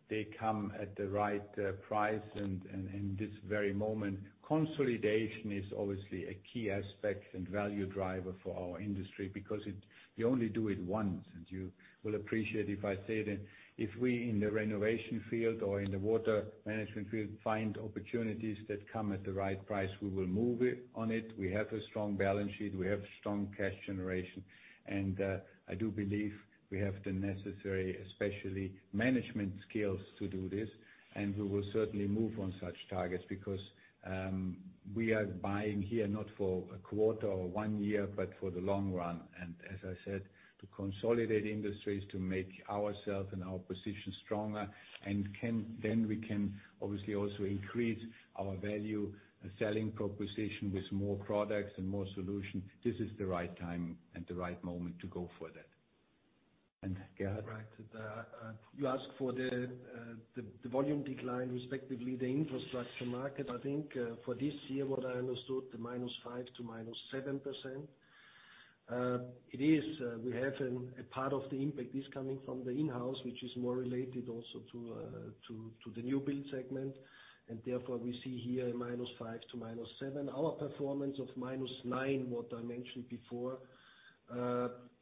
they come at the right price and in this very moment, consolidation is obviously a key aspect and value driver for our industry because it. You only do it once. You will appreciate if I say that if we in the renovation field or in the water management field find opportunities that come at the right price, we will move on it. We have a strong balance sheet. We have strong cash generation. I do believe we have the necessary, especially management skills to do this. We will certainly move on such targets because we are buying here not for a quarter or one year, but for the long run. As I said to consolidate industries, to make ourselves and our position stronger and then we can obviously also increase our value selling proposition with more products and more solutions. This is the right time and the right moment to go for that. Gerhard? Right. You ask for the volume decline, respectively, the infrastructure market. I think, for this year, what I understood the -5% to -7%. We have a part of the impact is coming from the infrastructure, which is more related also to the new build segment, and therefore we see here a -5% to -7%. Our performance of -9%, what I mentioned before,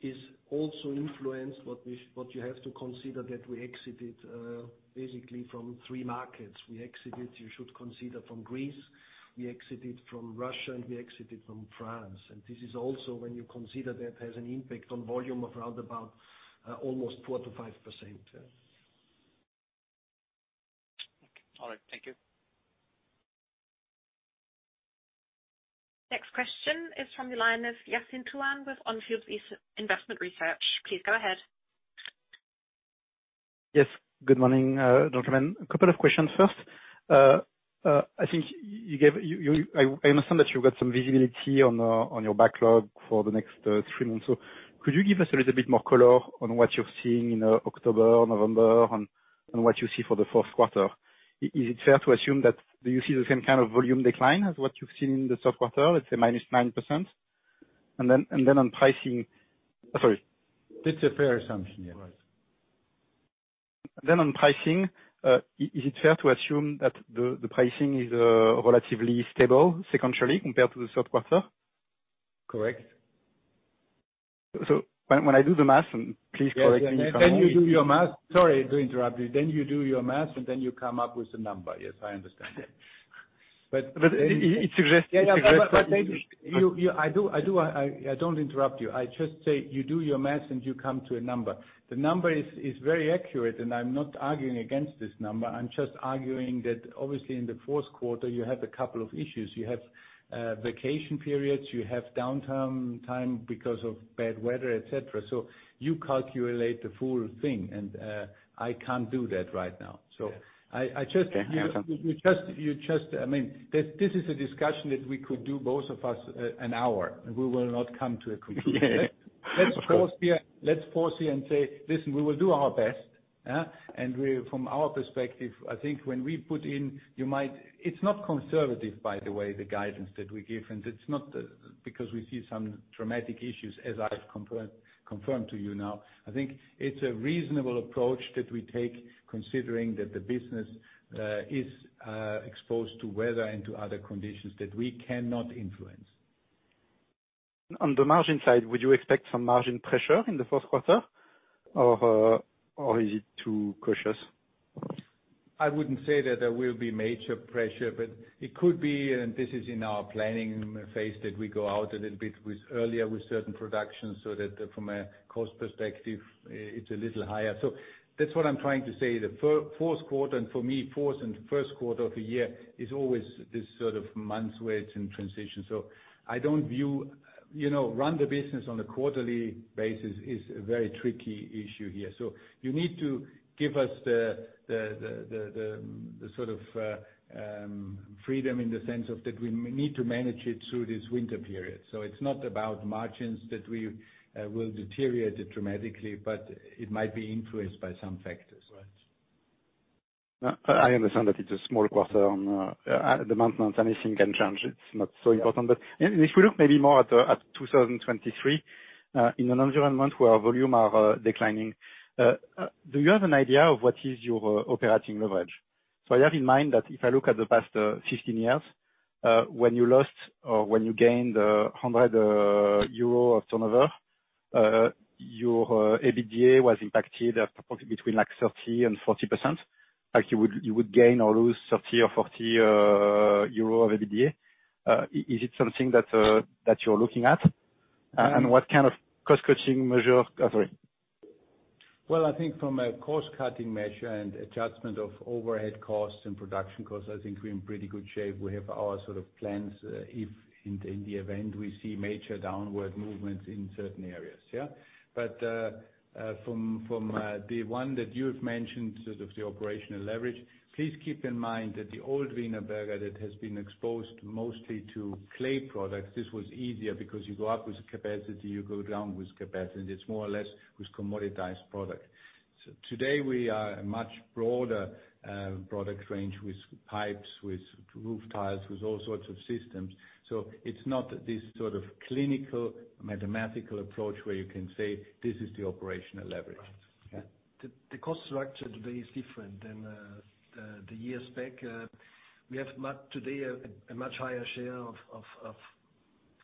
is also influenced. What you have to consider that we exited basically from three markets. We exited, you should consider, from Greece, we exited from Russia, and we exited from France. This is also when you consider that has an impact on volume of around about almost 4%-5%. Okay. All right. Thank you. Next question is from the line of Yassine Touahri with On Field Investment Research. Please go ahead. Yes. Good morning, gentlemen. A couple of questions. First, I understand that you got some visibility on your backlog for the next three months. Could you give us a little bit more color on what you're seeing in October, November, and what you see for the Q4? Is it fair to assume that do you see the same kind of volume decline as what you've seen in the Q3, let's say minus 9%? Then, on pricing. Sorry. It's a fair assumption, yes. On pricing, is it fair to assume that the pricing is relatively stable sequentially compared to the Q3? Correct. When I do the math, and please correct me if I'm wrong- Yes. You do your math. Sorry to interrupt you. You do your math, and then you come up with a number. Yes, I understand that. It suggests that. Yeah. Thank you. I do. I don't interrupt you. I just say you do your math and you come to a number. The number is very accurate, and I'm not arguing against this number. I'm just arguing that obviously in the Q4, you have a couple of issues. You have vacation periods, you have downtime because of bad weather, et cetera. You calculate the full thing, and I can't do that right now. Yes. I just Okay. I understand. You just. I mean, this is a discussion that we could do both of us an hour, and we will not come to a conclusion. Yeah. Sure. Let's pause here and say, "Listen, we will do our best, yeah? From our perspective, I think when we put in, you might..." It's not conservative, by the way, the guidance that we give. It's not because we see some dramatic issues, as I've confirmed to you now. I think it's a reasonable approach that we take, considering that the business is exposed to weather and to other conditions that we cannot influence. On the margin side, would you expect some margin pressure in the Q4, or is it too cautious? I wouldn't say that there will be major pressure, but it could be, and this is in our planning phase, that we go out a little bit earlier with certain productions, so that from a cost perspective, it's a little higher. That's what I'm trying to say. The Q4, and for me, Q4 and Q1 of the year is always this sort of months where it's in transition. I don't view, you know, run the business on a quarterly basis is a very tricky issue here. You need to give us the sort of freedom in the sense of that we need to manage it through this winter period. It's not about margins that we will deteriorate it dramatically, but it might be influenced by some factors. Right. I understand that it's a small quarter, and at the moment, anything can change. It's not so important. Yeah. If we look maybe more at 2023, in an environment where volumes are declining, do you have an idea of what is your operating leverage? I have in mind that if I look at the past 15 years, when you lost or when you gained 100 euro of turnover, your EBITDA was impacted at probably between like 30%-40%. Like you would gain or lose 30 or 40 euro of EBITDA. Is it something that you're looking at? Mm-hmm. What kind of cost cutting measure? Sorry. Well, I think from a cost cutting measure and adjustment of overhead costs and production costs, I think we're in pretty good shape. We have our sort of plans, if in the event we see major downward movements in certain areas. From the one that you have mentioned, sort of the operational leverage, please keep in mind that the old Wienerberger that has been exposed mostly to clay products, this was easier because you go up with capacity, you go down with capacity. It's more or less with commoditized product. Today we are a much broader product range with pipes, with roof tiles, with all sorts of systems. It's not this sort of clinical mathematical approach where you can say, "This is the operational leverage. Right. Yeah. The cost structure today is different than the years back. We have today a much higher share of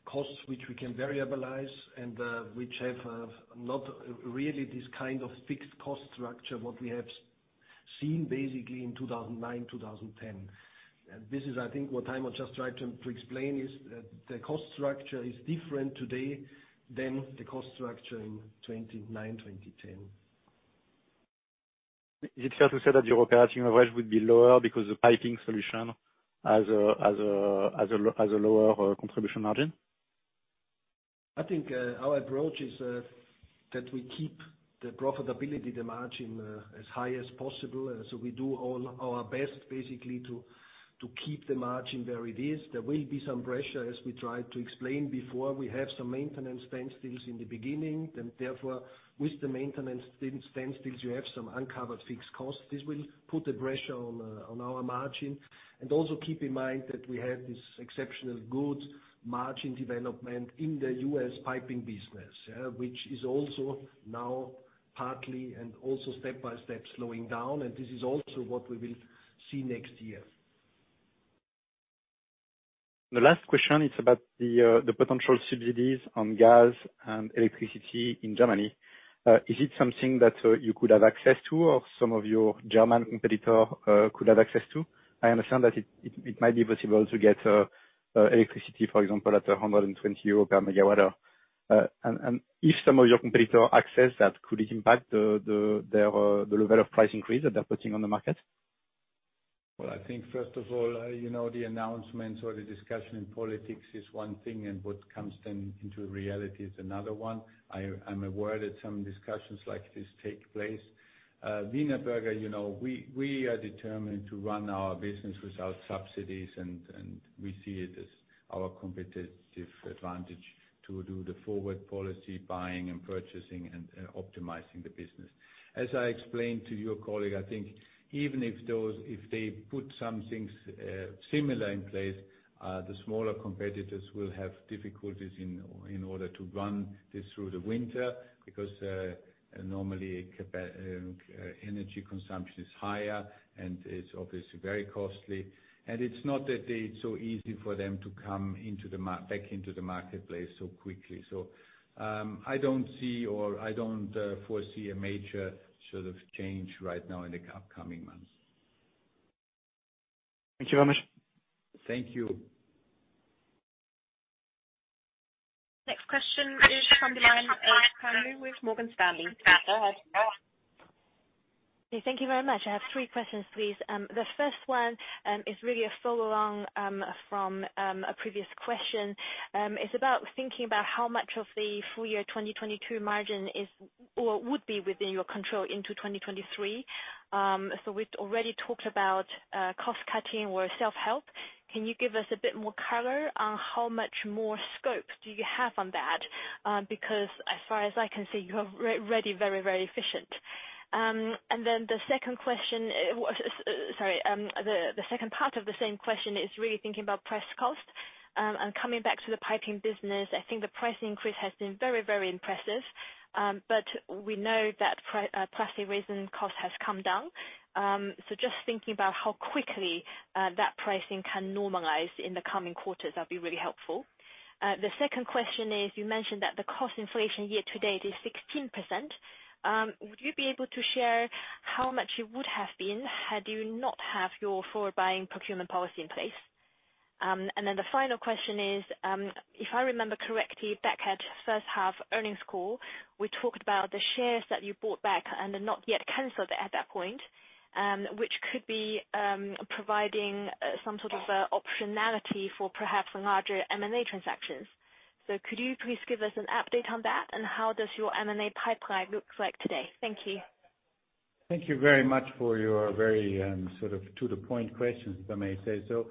costs which we can variabilize and which have not really this kind of fixed cost structure what we have seen basically in 2009, 2010. This is I think what Heimo just tried to explain, is the cost structure is different today than the cost structure in 2009, 2010. Is it fair to say that your operating average would be lower because the Piping Solutions has a lower contribution margin? I think our approach is that we keep the profitability, the margin, as high as possible. We do all our best basically to keep the margin where it is. There will be some pressure, as we tried to explain before. We have some maintenance standstills in the beginning, and therefore, with the maintenance standstills, you have some uncovered fixed costs. This will put the pressure on our margin. Also keep in mind that we have this exceptional good margin development in the US piping business, which is also now partly and also step by step slowing down, and this is also what we will see next year. The last question is about the potential subsidies on gas and electricity in Germany. Is it something that you could have access to or some of your German competitors could have access to? I understand that it might be possible to get electricity, for example, at 120 euro per megawatt hour. And if some of your competitors access that, could it impact the level of price increase that they're putting on the market? Well, I think first of all, you know, the announcements or the discussion in politics is one thing, and what comes then into reality is another one. I'm aware that some discussions like this take place. Wienerberger, you know, we are determined to run our business without subsidies, and we see it as our competitive advantage to do the forward policy buying and purchasing and optimizing the business. As I explained to your colleague, I think even if they put some things similar in place, the smaller competitors will have difficulties in order to run this through the winter because normally energy consumption is higher, and it's obviously very costly. It's not that it's so easy for them to come back into the marketplace so quickly. I don't see, or I don't foresee a major sort of change right now in the coming months. Thank you very much. Thank you. Next question is from the line of Solveig Menard-Galli with Morgan Stanley. Please go ahead. Thank you very much. I have three questions, please. The first one is really a follow along from a previous question. It's about thinking about how much of the full year 2022 margin is or would be within your control into 2023. We've already talked about cost cutting or self-help. Can you give us a bit more color on how much more scope do you have on that? Because as far as I can see, you're already very, very efficient. The second question, sorry. The second part of the same question is really thinking about press cost. Coming back to the piping business, I think the price increase has been very, very impressive. We know that plastic resin cost has come down. Just thinking about how quickly, that pricing can normalize in the coming quarters, that'd be really helpful. The second question is, you mentioned that the cost inflation year to date is 16%. Would you be able to share how much it would have been had you not have your forward buying procurement policy in place? The final question is, if I remember correctly, back at H1 earnings call, we talked about the shares that you bought back and then not yet canceled at that point, which could be providing some sort of optionality for perhaps larger M&A transactions. Could you please give us an update on that? How does your M&A pipeline look like today? Thank you. Thank you very much for your very, sort of to the point questions, if I may say so.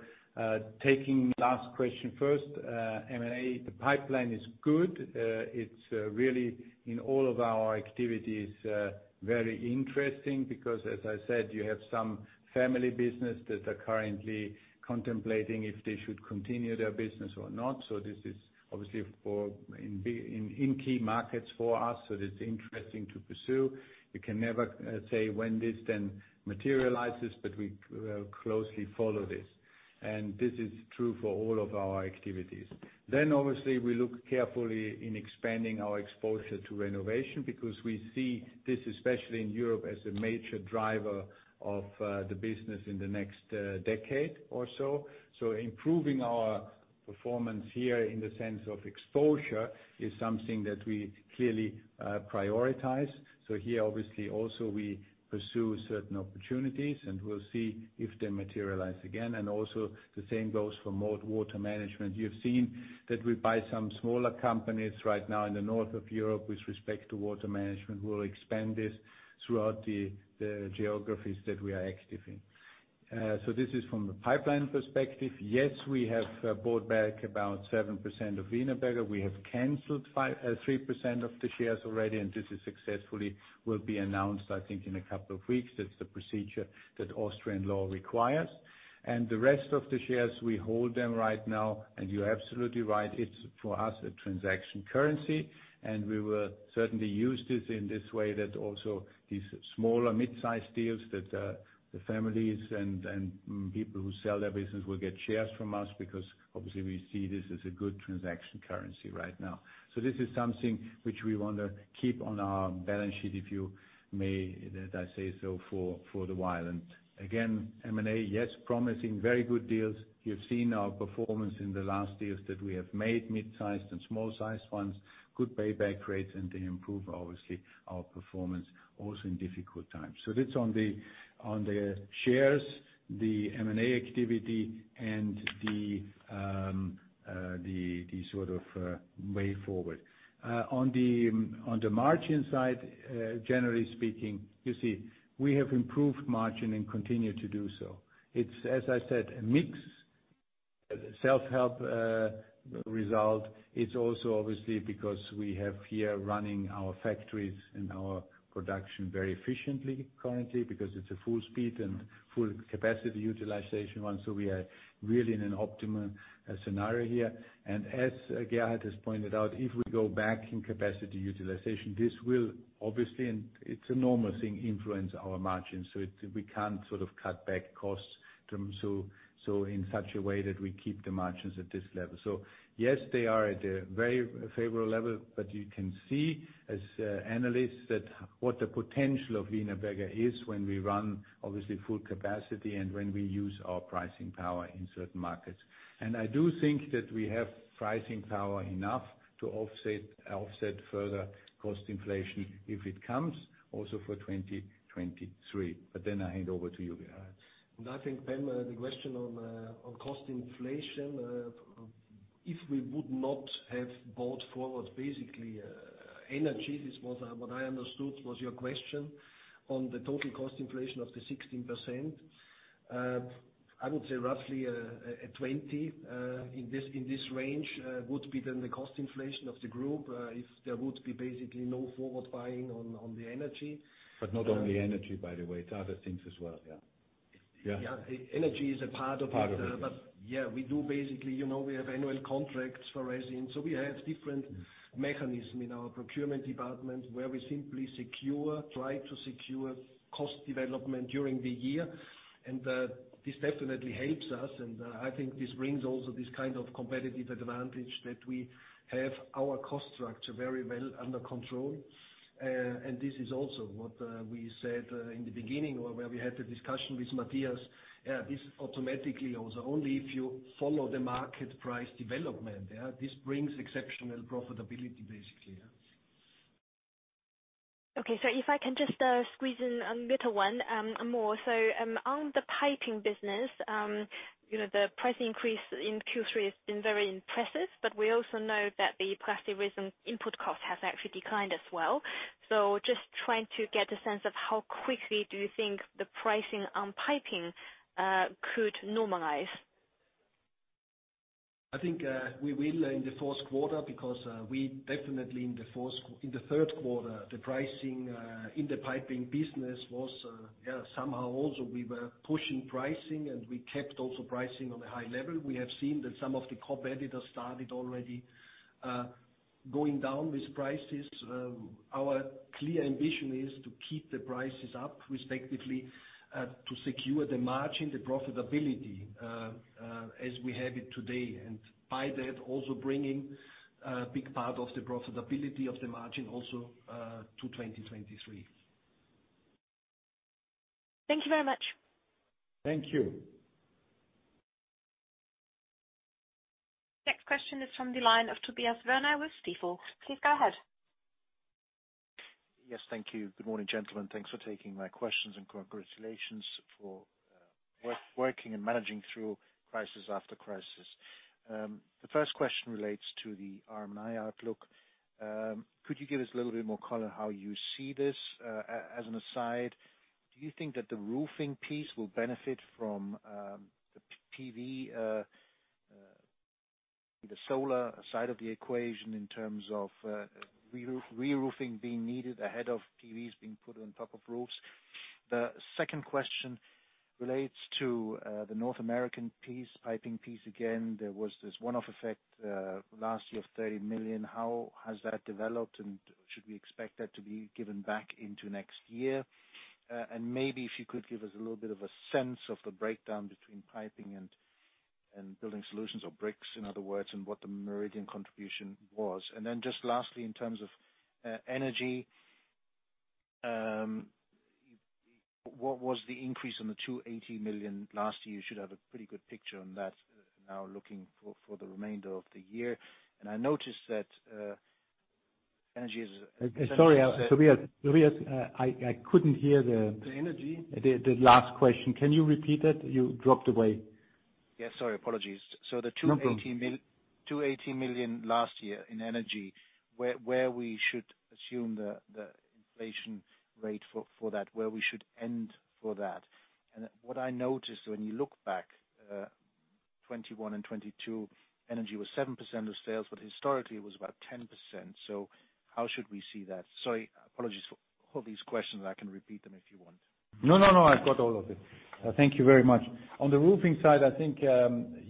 Taking last question first. M&A, the pipeline is good. It's really in all of our activities very interesting, because as I said, you have some family business that are currently contemplating if they should continue their business or not. This is obviously in key markets for us, so it's interesting to pursue. You can never say when this then materializes, but we will closely follow this. This is true for all of our activities. Obviously we look carefully in expanding our exposure to renovation because we see this, especially in Europe, as a major driver of the business in the next decade or so. Improving our performance here in the sense of exposure is something that we clearly prioritize. Here, obviously, also we pursue certain opportunities, and we'll see if they materialize again. Also the same goes for water management. You've seen that we buy some smaller companies right now in the north of Europe with respect to water management. We'll expand this throughout the geographies that we are active in. This is from the pipeline perspective. Yes, we have bought back about 7% of Wienerberger. We have canceled 3% of the shares already, and this successfully will be announced, I think, in a couple of weeks. That's the procedure that Austrian law requires. The rest of the shares, we hold them right now, and you're absolutely right. It's for us a transaction currency, and we will certainly use this in this way that also these smaller mid-size deals that the families and people who sell their business will get shares from us because obviously we see this as a good transaction currency right now. This is something which we want to keep on our balance sheet, if you may, that I say so for the while. Again, M&A, yes, promising very good deals. You've seen our performance in the last deals that we have made, mid-sized and small-sized ones. Good payback rates, and they improve, obviously, our performance also in difficult times. That's on the shares, the M&A activity and the sort of way forward. On the margin side, generally speaking, you see we have improved margin and continue to do so. It's, as I said, a mix, self-help result is also obviously because we have our factories and our production running very efficiently currently because it's a full speed and full capacity utilization one, so we are really in an optimal scenario here. As Gerhard has pointed out, if we go back in capacity utilization, this will obviously, and it's a normal thing, influence our margins. We can't sort of cut back on costs in such a way that we keep the margins at this level. Yes, they are at a very favorable level, but you can see as analysts that what the potential of Wienerberger is when we run obviously full capacity and when we use our pricing power in certain markets. I do think that we have pricing power enough to offset further cost inflation if it comes also for 2023. Then I hand over to you, Gerhard. I think, Solveig Menard-Galli, the question on cost inflation, if we would not have bought forward basically energy. This was what I understood was your question on the total cost inflation of the 16%. I would say roughly a 20% in this range would be then the cost inflation of the group, if there would be basically no forward buying on the energy. Not only energy, by the way. It's other things as well. Yeah. Yeah. Energy is a part of it. Part of it, yes. Yeah, we do, basically, you know, we have annual contracts for resins. We have different mechanism in our procurement department where we simply secure, try to secure cost development during the year. This definitely helps us, and I think this brings also this kind of competitive advantage that we have our cost structure very well under control. This is also what we said in the beginning or where we had the discussion with Matthias. This automatically also, only if you follow the market price development, yeah, this brings exceptional profitability basically, yeah. Okay. If I can just squeeze in a little one more. On the piping business, you know, the price increase in Q3 has been very impressive, but we also know that the plastic resin input cost has actually declined as well. Just trying to get a sense of how quickly do you think the pricing on piping could normalize? I think we will in the Q4 because we definitely in the Q3 the pricing in the piping business was somehow also we were pushing pricing and we kept also pricing on a high level. We have seen that some of the competitors started already going down with prices. Our clear ambition is to keep the prices up respectively to secure the margin, the profitability as we have it today, and by that, also bringing a big part of the profitability of the margin also to 2023. Thank you very much. Thank you. Next question is from the line of Tobias Woerner with Stifel. Please go ahead. Yes, thank you. Good morning, gentlemen. Thanks for taking my questions, and congratulations for working and managing through crisis after crisis. The first question relates to the RMI outlook. Could you give us a little bit more color on how you see this? As an aside, do you think that the roofing piece will benefit from the PV, the solar side of the equation in terms of re-roofing being needed ahead of PVs being put on top of roofs? The second question relates to the North American piece, piping piece again. There was this one-off effect last year of 30 million. How has that developed, and should we expect that to be given back into next year? Maybe if you could give us a little bit of a sense of the breakdown between piping and building solutions or bricks, in other words, and what the Meridian Brick contribution was. Just lastly, in terms of energy, what was the increase on the 280 million last year? You should have a pretty good picture on that now looking for the remainder of the year. I noticed that energy is. Sorry, Tobias. Tobias, I couldn't hear The energy. The last question. Can you repeat that? You dropped away. Yeah. Sorry. Apologies. No problem. The 280 million last year in energy, where we should assume the inflation rate for that, where we should end for that. What I noticed when you look back, 2021 and 2022, energy was 7% of sales, but historically it was about 10%. How should we see that? Sorry, apologies for all these questions. I can repeat them if you want. No, no. I've got all of it. Thank you very much. On the roofing side, I think,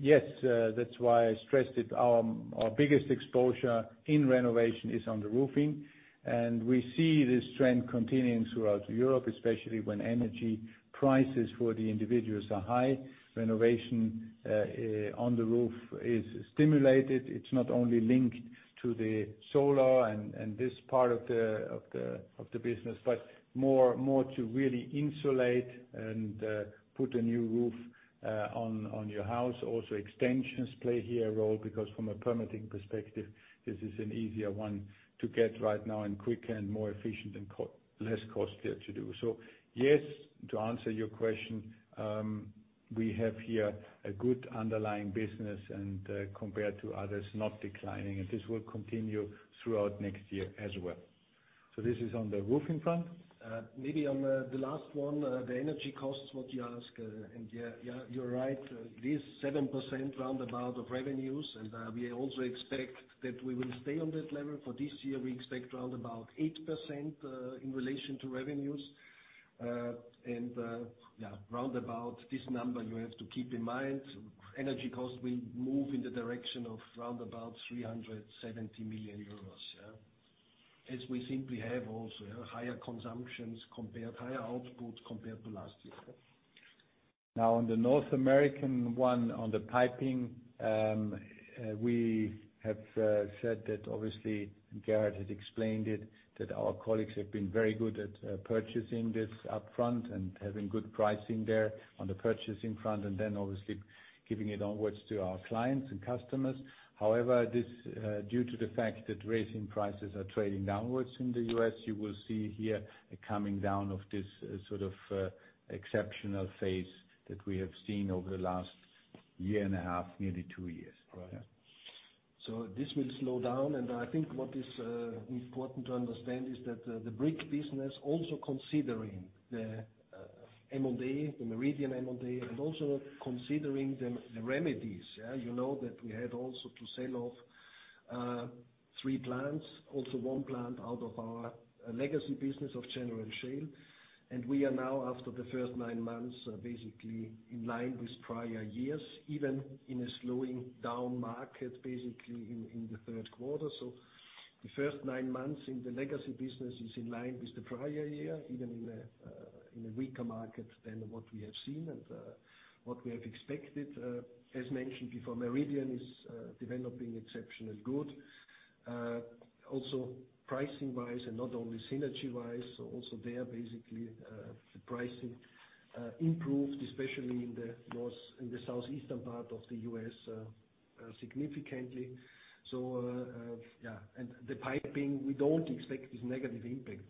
yes, that's why I stressed it. Our biggest exposure in renovation is on the roofing, and we see this trend continuing throughout Europe, especially when energy prices for the individuals are high. Renovation on the roof is stimulated. It's not only linked to the solar and this part of the business, but more to really insulate and put a new roof on your house. Also, extensions play here a role because from a permitting perspective, this is an easier one to get right now and quicker and more efficient and less costlier to do. Yes, to answer your question, we have here a good underlying business and, compared to others, not declining, and this will continue throughout next year as well. This is on the roofing front? Maybe on the last one, the energy costs what you ask. You're right. This 7% around about of revenues, we also expect that we will stay on that level. For this year, we expect around about 8% in relation to revenues. Around about this number you have to keep in mind, energy costs will move in the direction of around about 370 million euros. As we think we have also higher outputs compared to last year. Now, on the North American one, on the piping, we have said that obviously, Gerhard had explained it, that our colleagues have been very good at purchasing this up front and having good pricing there on the purchasing front, and then obviously giving it onwards to our clients and customers. However, this due to the fact that resin prices are trading downwards in the U.S., you will see here a coming down of this sort of exceptional phase that we have seen over the last year and a half, nearly two years. Right. This will slow down. I think what is important to understand is that the brick business also considering the M&A, the Meridian M&A, and also considering the remedies, yeah. You know, that we had also to sell off three plants, also one plant out of our legacy business of General Shale. We are now after the first nine months basically in line with prior years, even in a slowing down market, basically in the Q3. The first nine months in the legacy business is in line with the prior year, even in a weaker market than what we have seen and what we have expected. As mentioned before, Meridian is developing exceptionally good. Also pricing-wise and not only synergy-wise, also there basically the pricing improved, especially in the southeastern part of the U.S., significantly. Yeah. The piping, we don't expect this negative impact.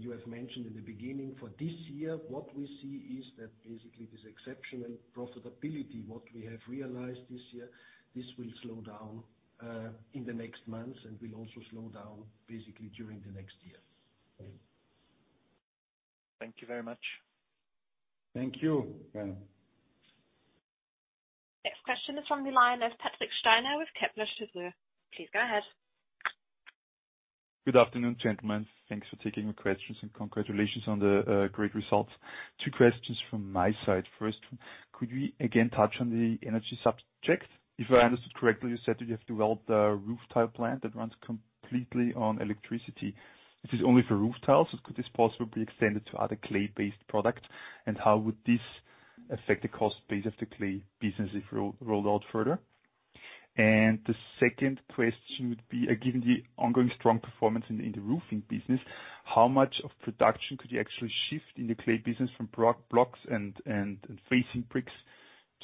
You have mentioned in the beginning, for this year, what we see is that basically this exceptional profitability what we have realized this year, this will slow down in the next months and will also slow down basically during the next year. Thank you very much. Thank you. Yeah. Next question is from the line of Patrick Steiner with Kepler Cheuvreux. Please go ahead. Good afternoon, gentlemen. Thanks for taking the questions and congratulations on the great results. Two questions from my side. First, could we again touch on the energy subjects? If I understood correctly, you said that you have developed a roof tile plant that runs completely on electricity. This is only for roof tiles. Could this possibly be extended to other clay-based products? How would this affect the cost base of the clay business if rolled out further? The second question would be, given the ongoing strong performance in the roofing business, how much of production could you actually shift in the clay business from clay blocks and facing bricks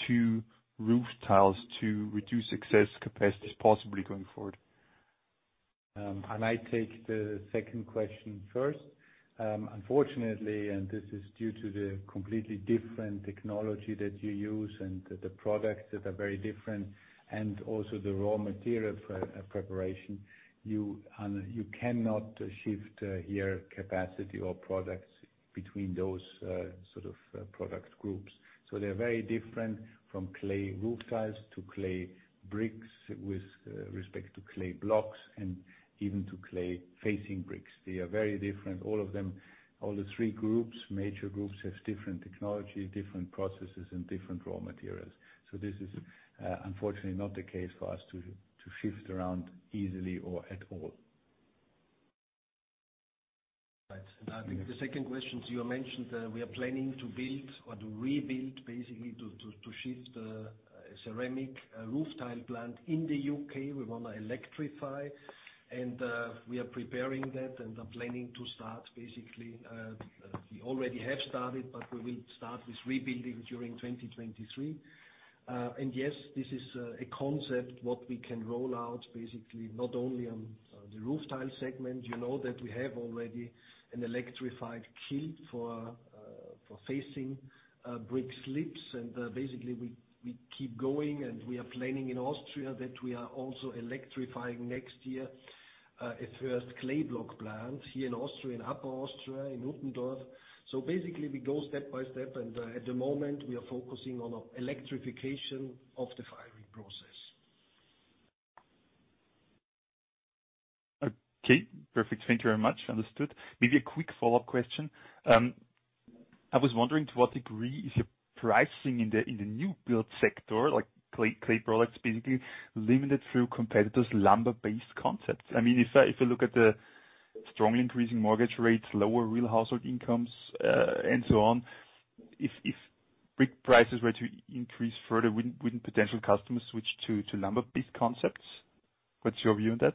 to roof tiles to reduce excess capacities possibly going forward? I might take the second question first. Unfortunately, this is due to the completely different technology that you use and the products that are very different, and also the raw material for preparation. You cannot shift your capacity or products between those sort of product groups. They're very different from clay roof tiles to clay bricks with respect to clay blocks and even to facing bricks. They are very different, all of them. All the three groups, major groups, has different technology, different processes, and different raw materials. This is unfortunately not the case for us to shift around easily or at all. Right. I think the second question is you mentioned we are planning to build or to rebuild, basically to shift ceramic roof tile plant in the UK. We wanna electrify and we are preparing that and are planning to start basically, we already have started, but we will start with rebuilding during 2023. Yes, this is a concept what we can roll out basically, not only on the roof tile segment. You know that we have already an electrified kiln for facing brick slips. Basically we keep going and we are planning in Austria that we are also electrifying next year a first clay block plant here in Austria, in Upper Austria, in Uttendorf. Basically we go step by step, and at the moment we are focusing on electrification of the firing process. Okay. Perfect. Thank you very much. Understood. Maybe a quick follow-up question. I was wondering to what degree is your pricing in the new build sector, like clay products, basically limited through competitors' lumber-based concepts. I mean, if you look at the strongly increasing mortgage rates, lower real household incomes, and so on, if brick prices were to increase further, wouldn't potential customers switch to lumber-based concepts? What's your view on that?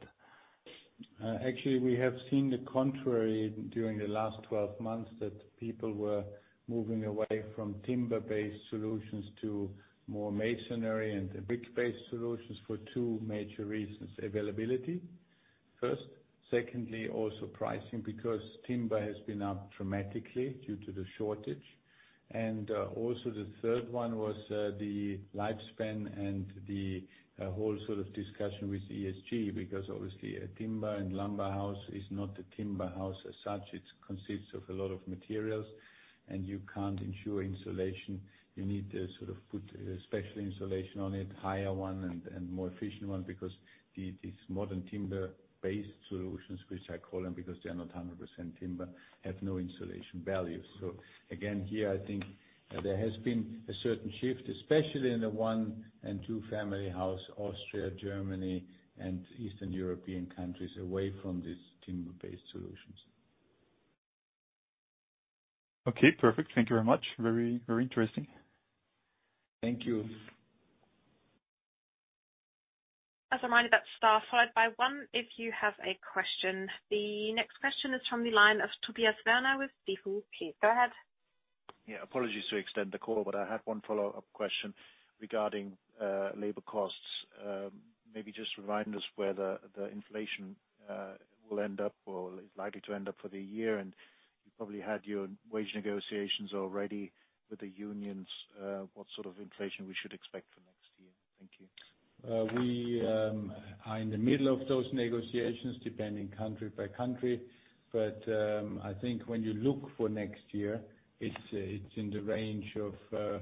Actually, we have seen the contrary during the last 12 months that people were moving away from timber-based solutions to more masonry and brick-based solutions for two major reasons. Availability, first. Secondly, also pricing, because timber has been up dramatically due to the shortage. Also the third one was the lifespan and the whole sort of discussion with ESG because obviously a timber and lumber house is not a timber house as such. It consists of a lot of materials and you can't ensure insulation. You need to sort of put special insulation on it, higher one and more efficient one because these modern timber-based solutions, which I call them because they're not 100% timber, have no insulation value. Again, here I think there has been a certain shift, especially in the one and two family house, Austria, Germany, and Eastern European countries away from these timber-based solutions. Okay. Perfect. Thank you very much. Very, very interesting. Thank you. As a reminder, that's star followed by one if you have a question. The next question is from the line of Tobias Woerner with Stifel. Please go ahead. Yeah, apologies to extend the call, but I had one follow-up question regarding labor costs. Maybe just remind us where the inflation will end up or is likely to end up for the year. You probably had your wage negotiations already with the unions. What sort of inflation we should expect for next year. Thank you. We are in the middle of those negotiations depending country by country. I think when you look for next year, it's in the range of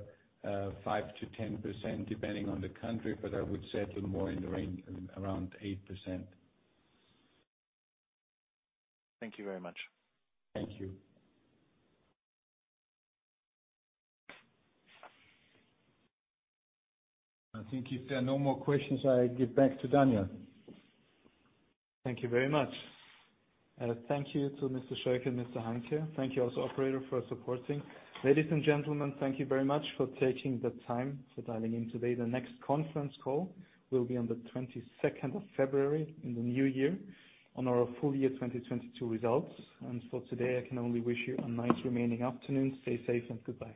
5%-10% depending on the country, but I would settle more in the range around 8%. Thank you very much. Thank you. I think if there are no more questions, I give back to Daniel. Thank you very much. Thank you to Mr. Scheuch and Mr. Hanke. Thank you also operator for supporting. Ladies and gentlemen, thank you very much for taking the time for dialing in today. The next conference call will be on the twenty-second of February in the new year on our full year 2022 results. For today, I can only wish you a nice remaining afternoon. Stay safe and goodbye.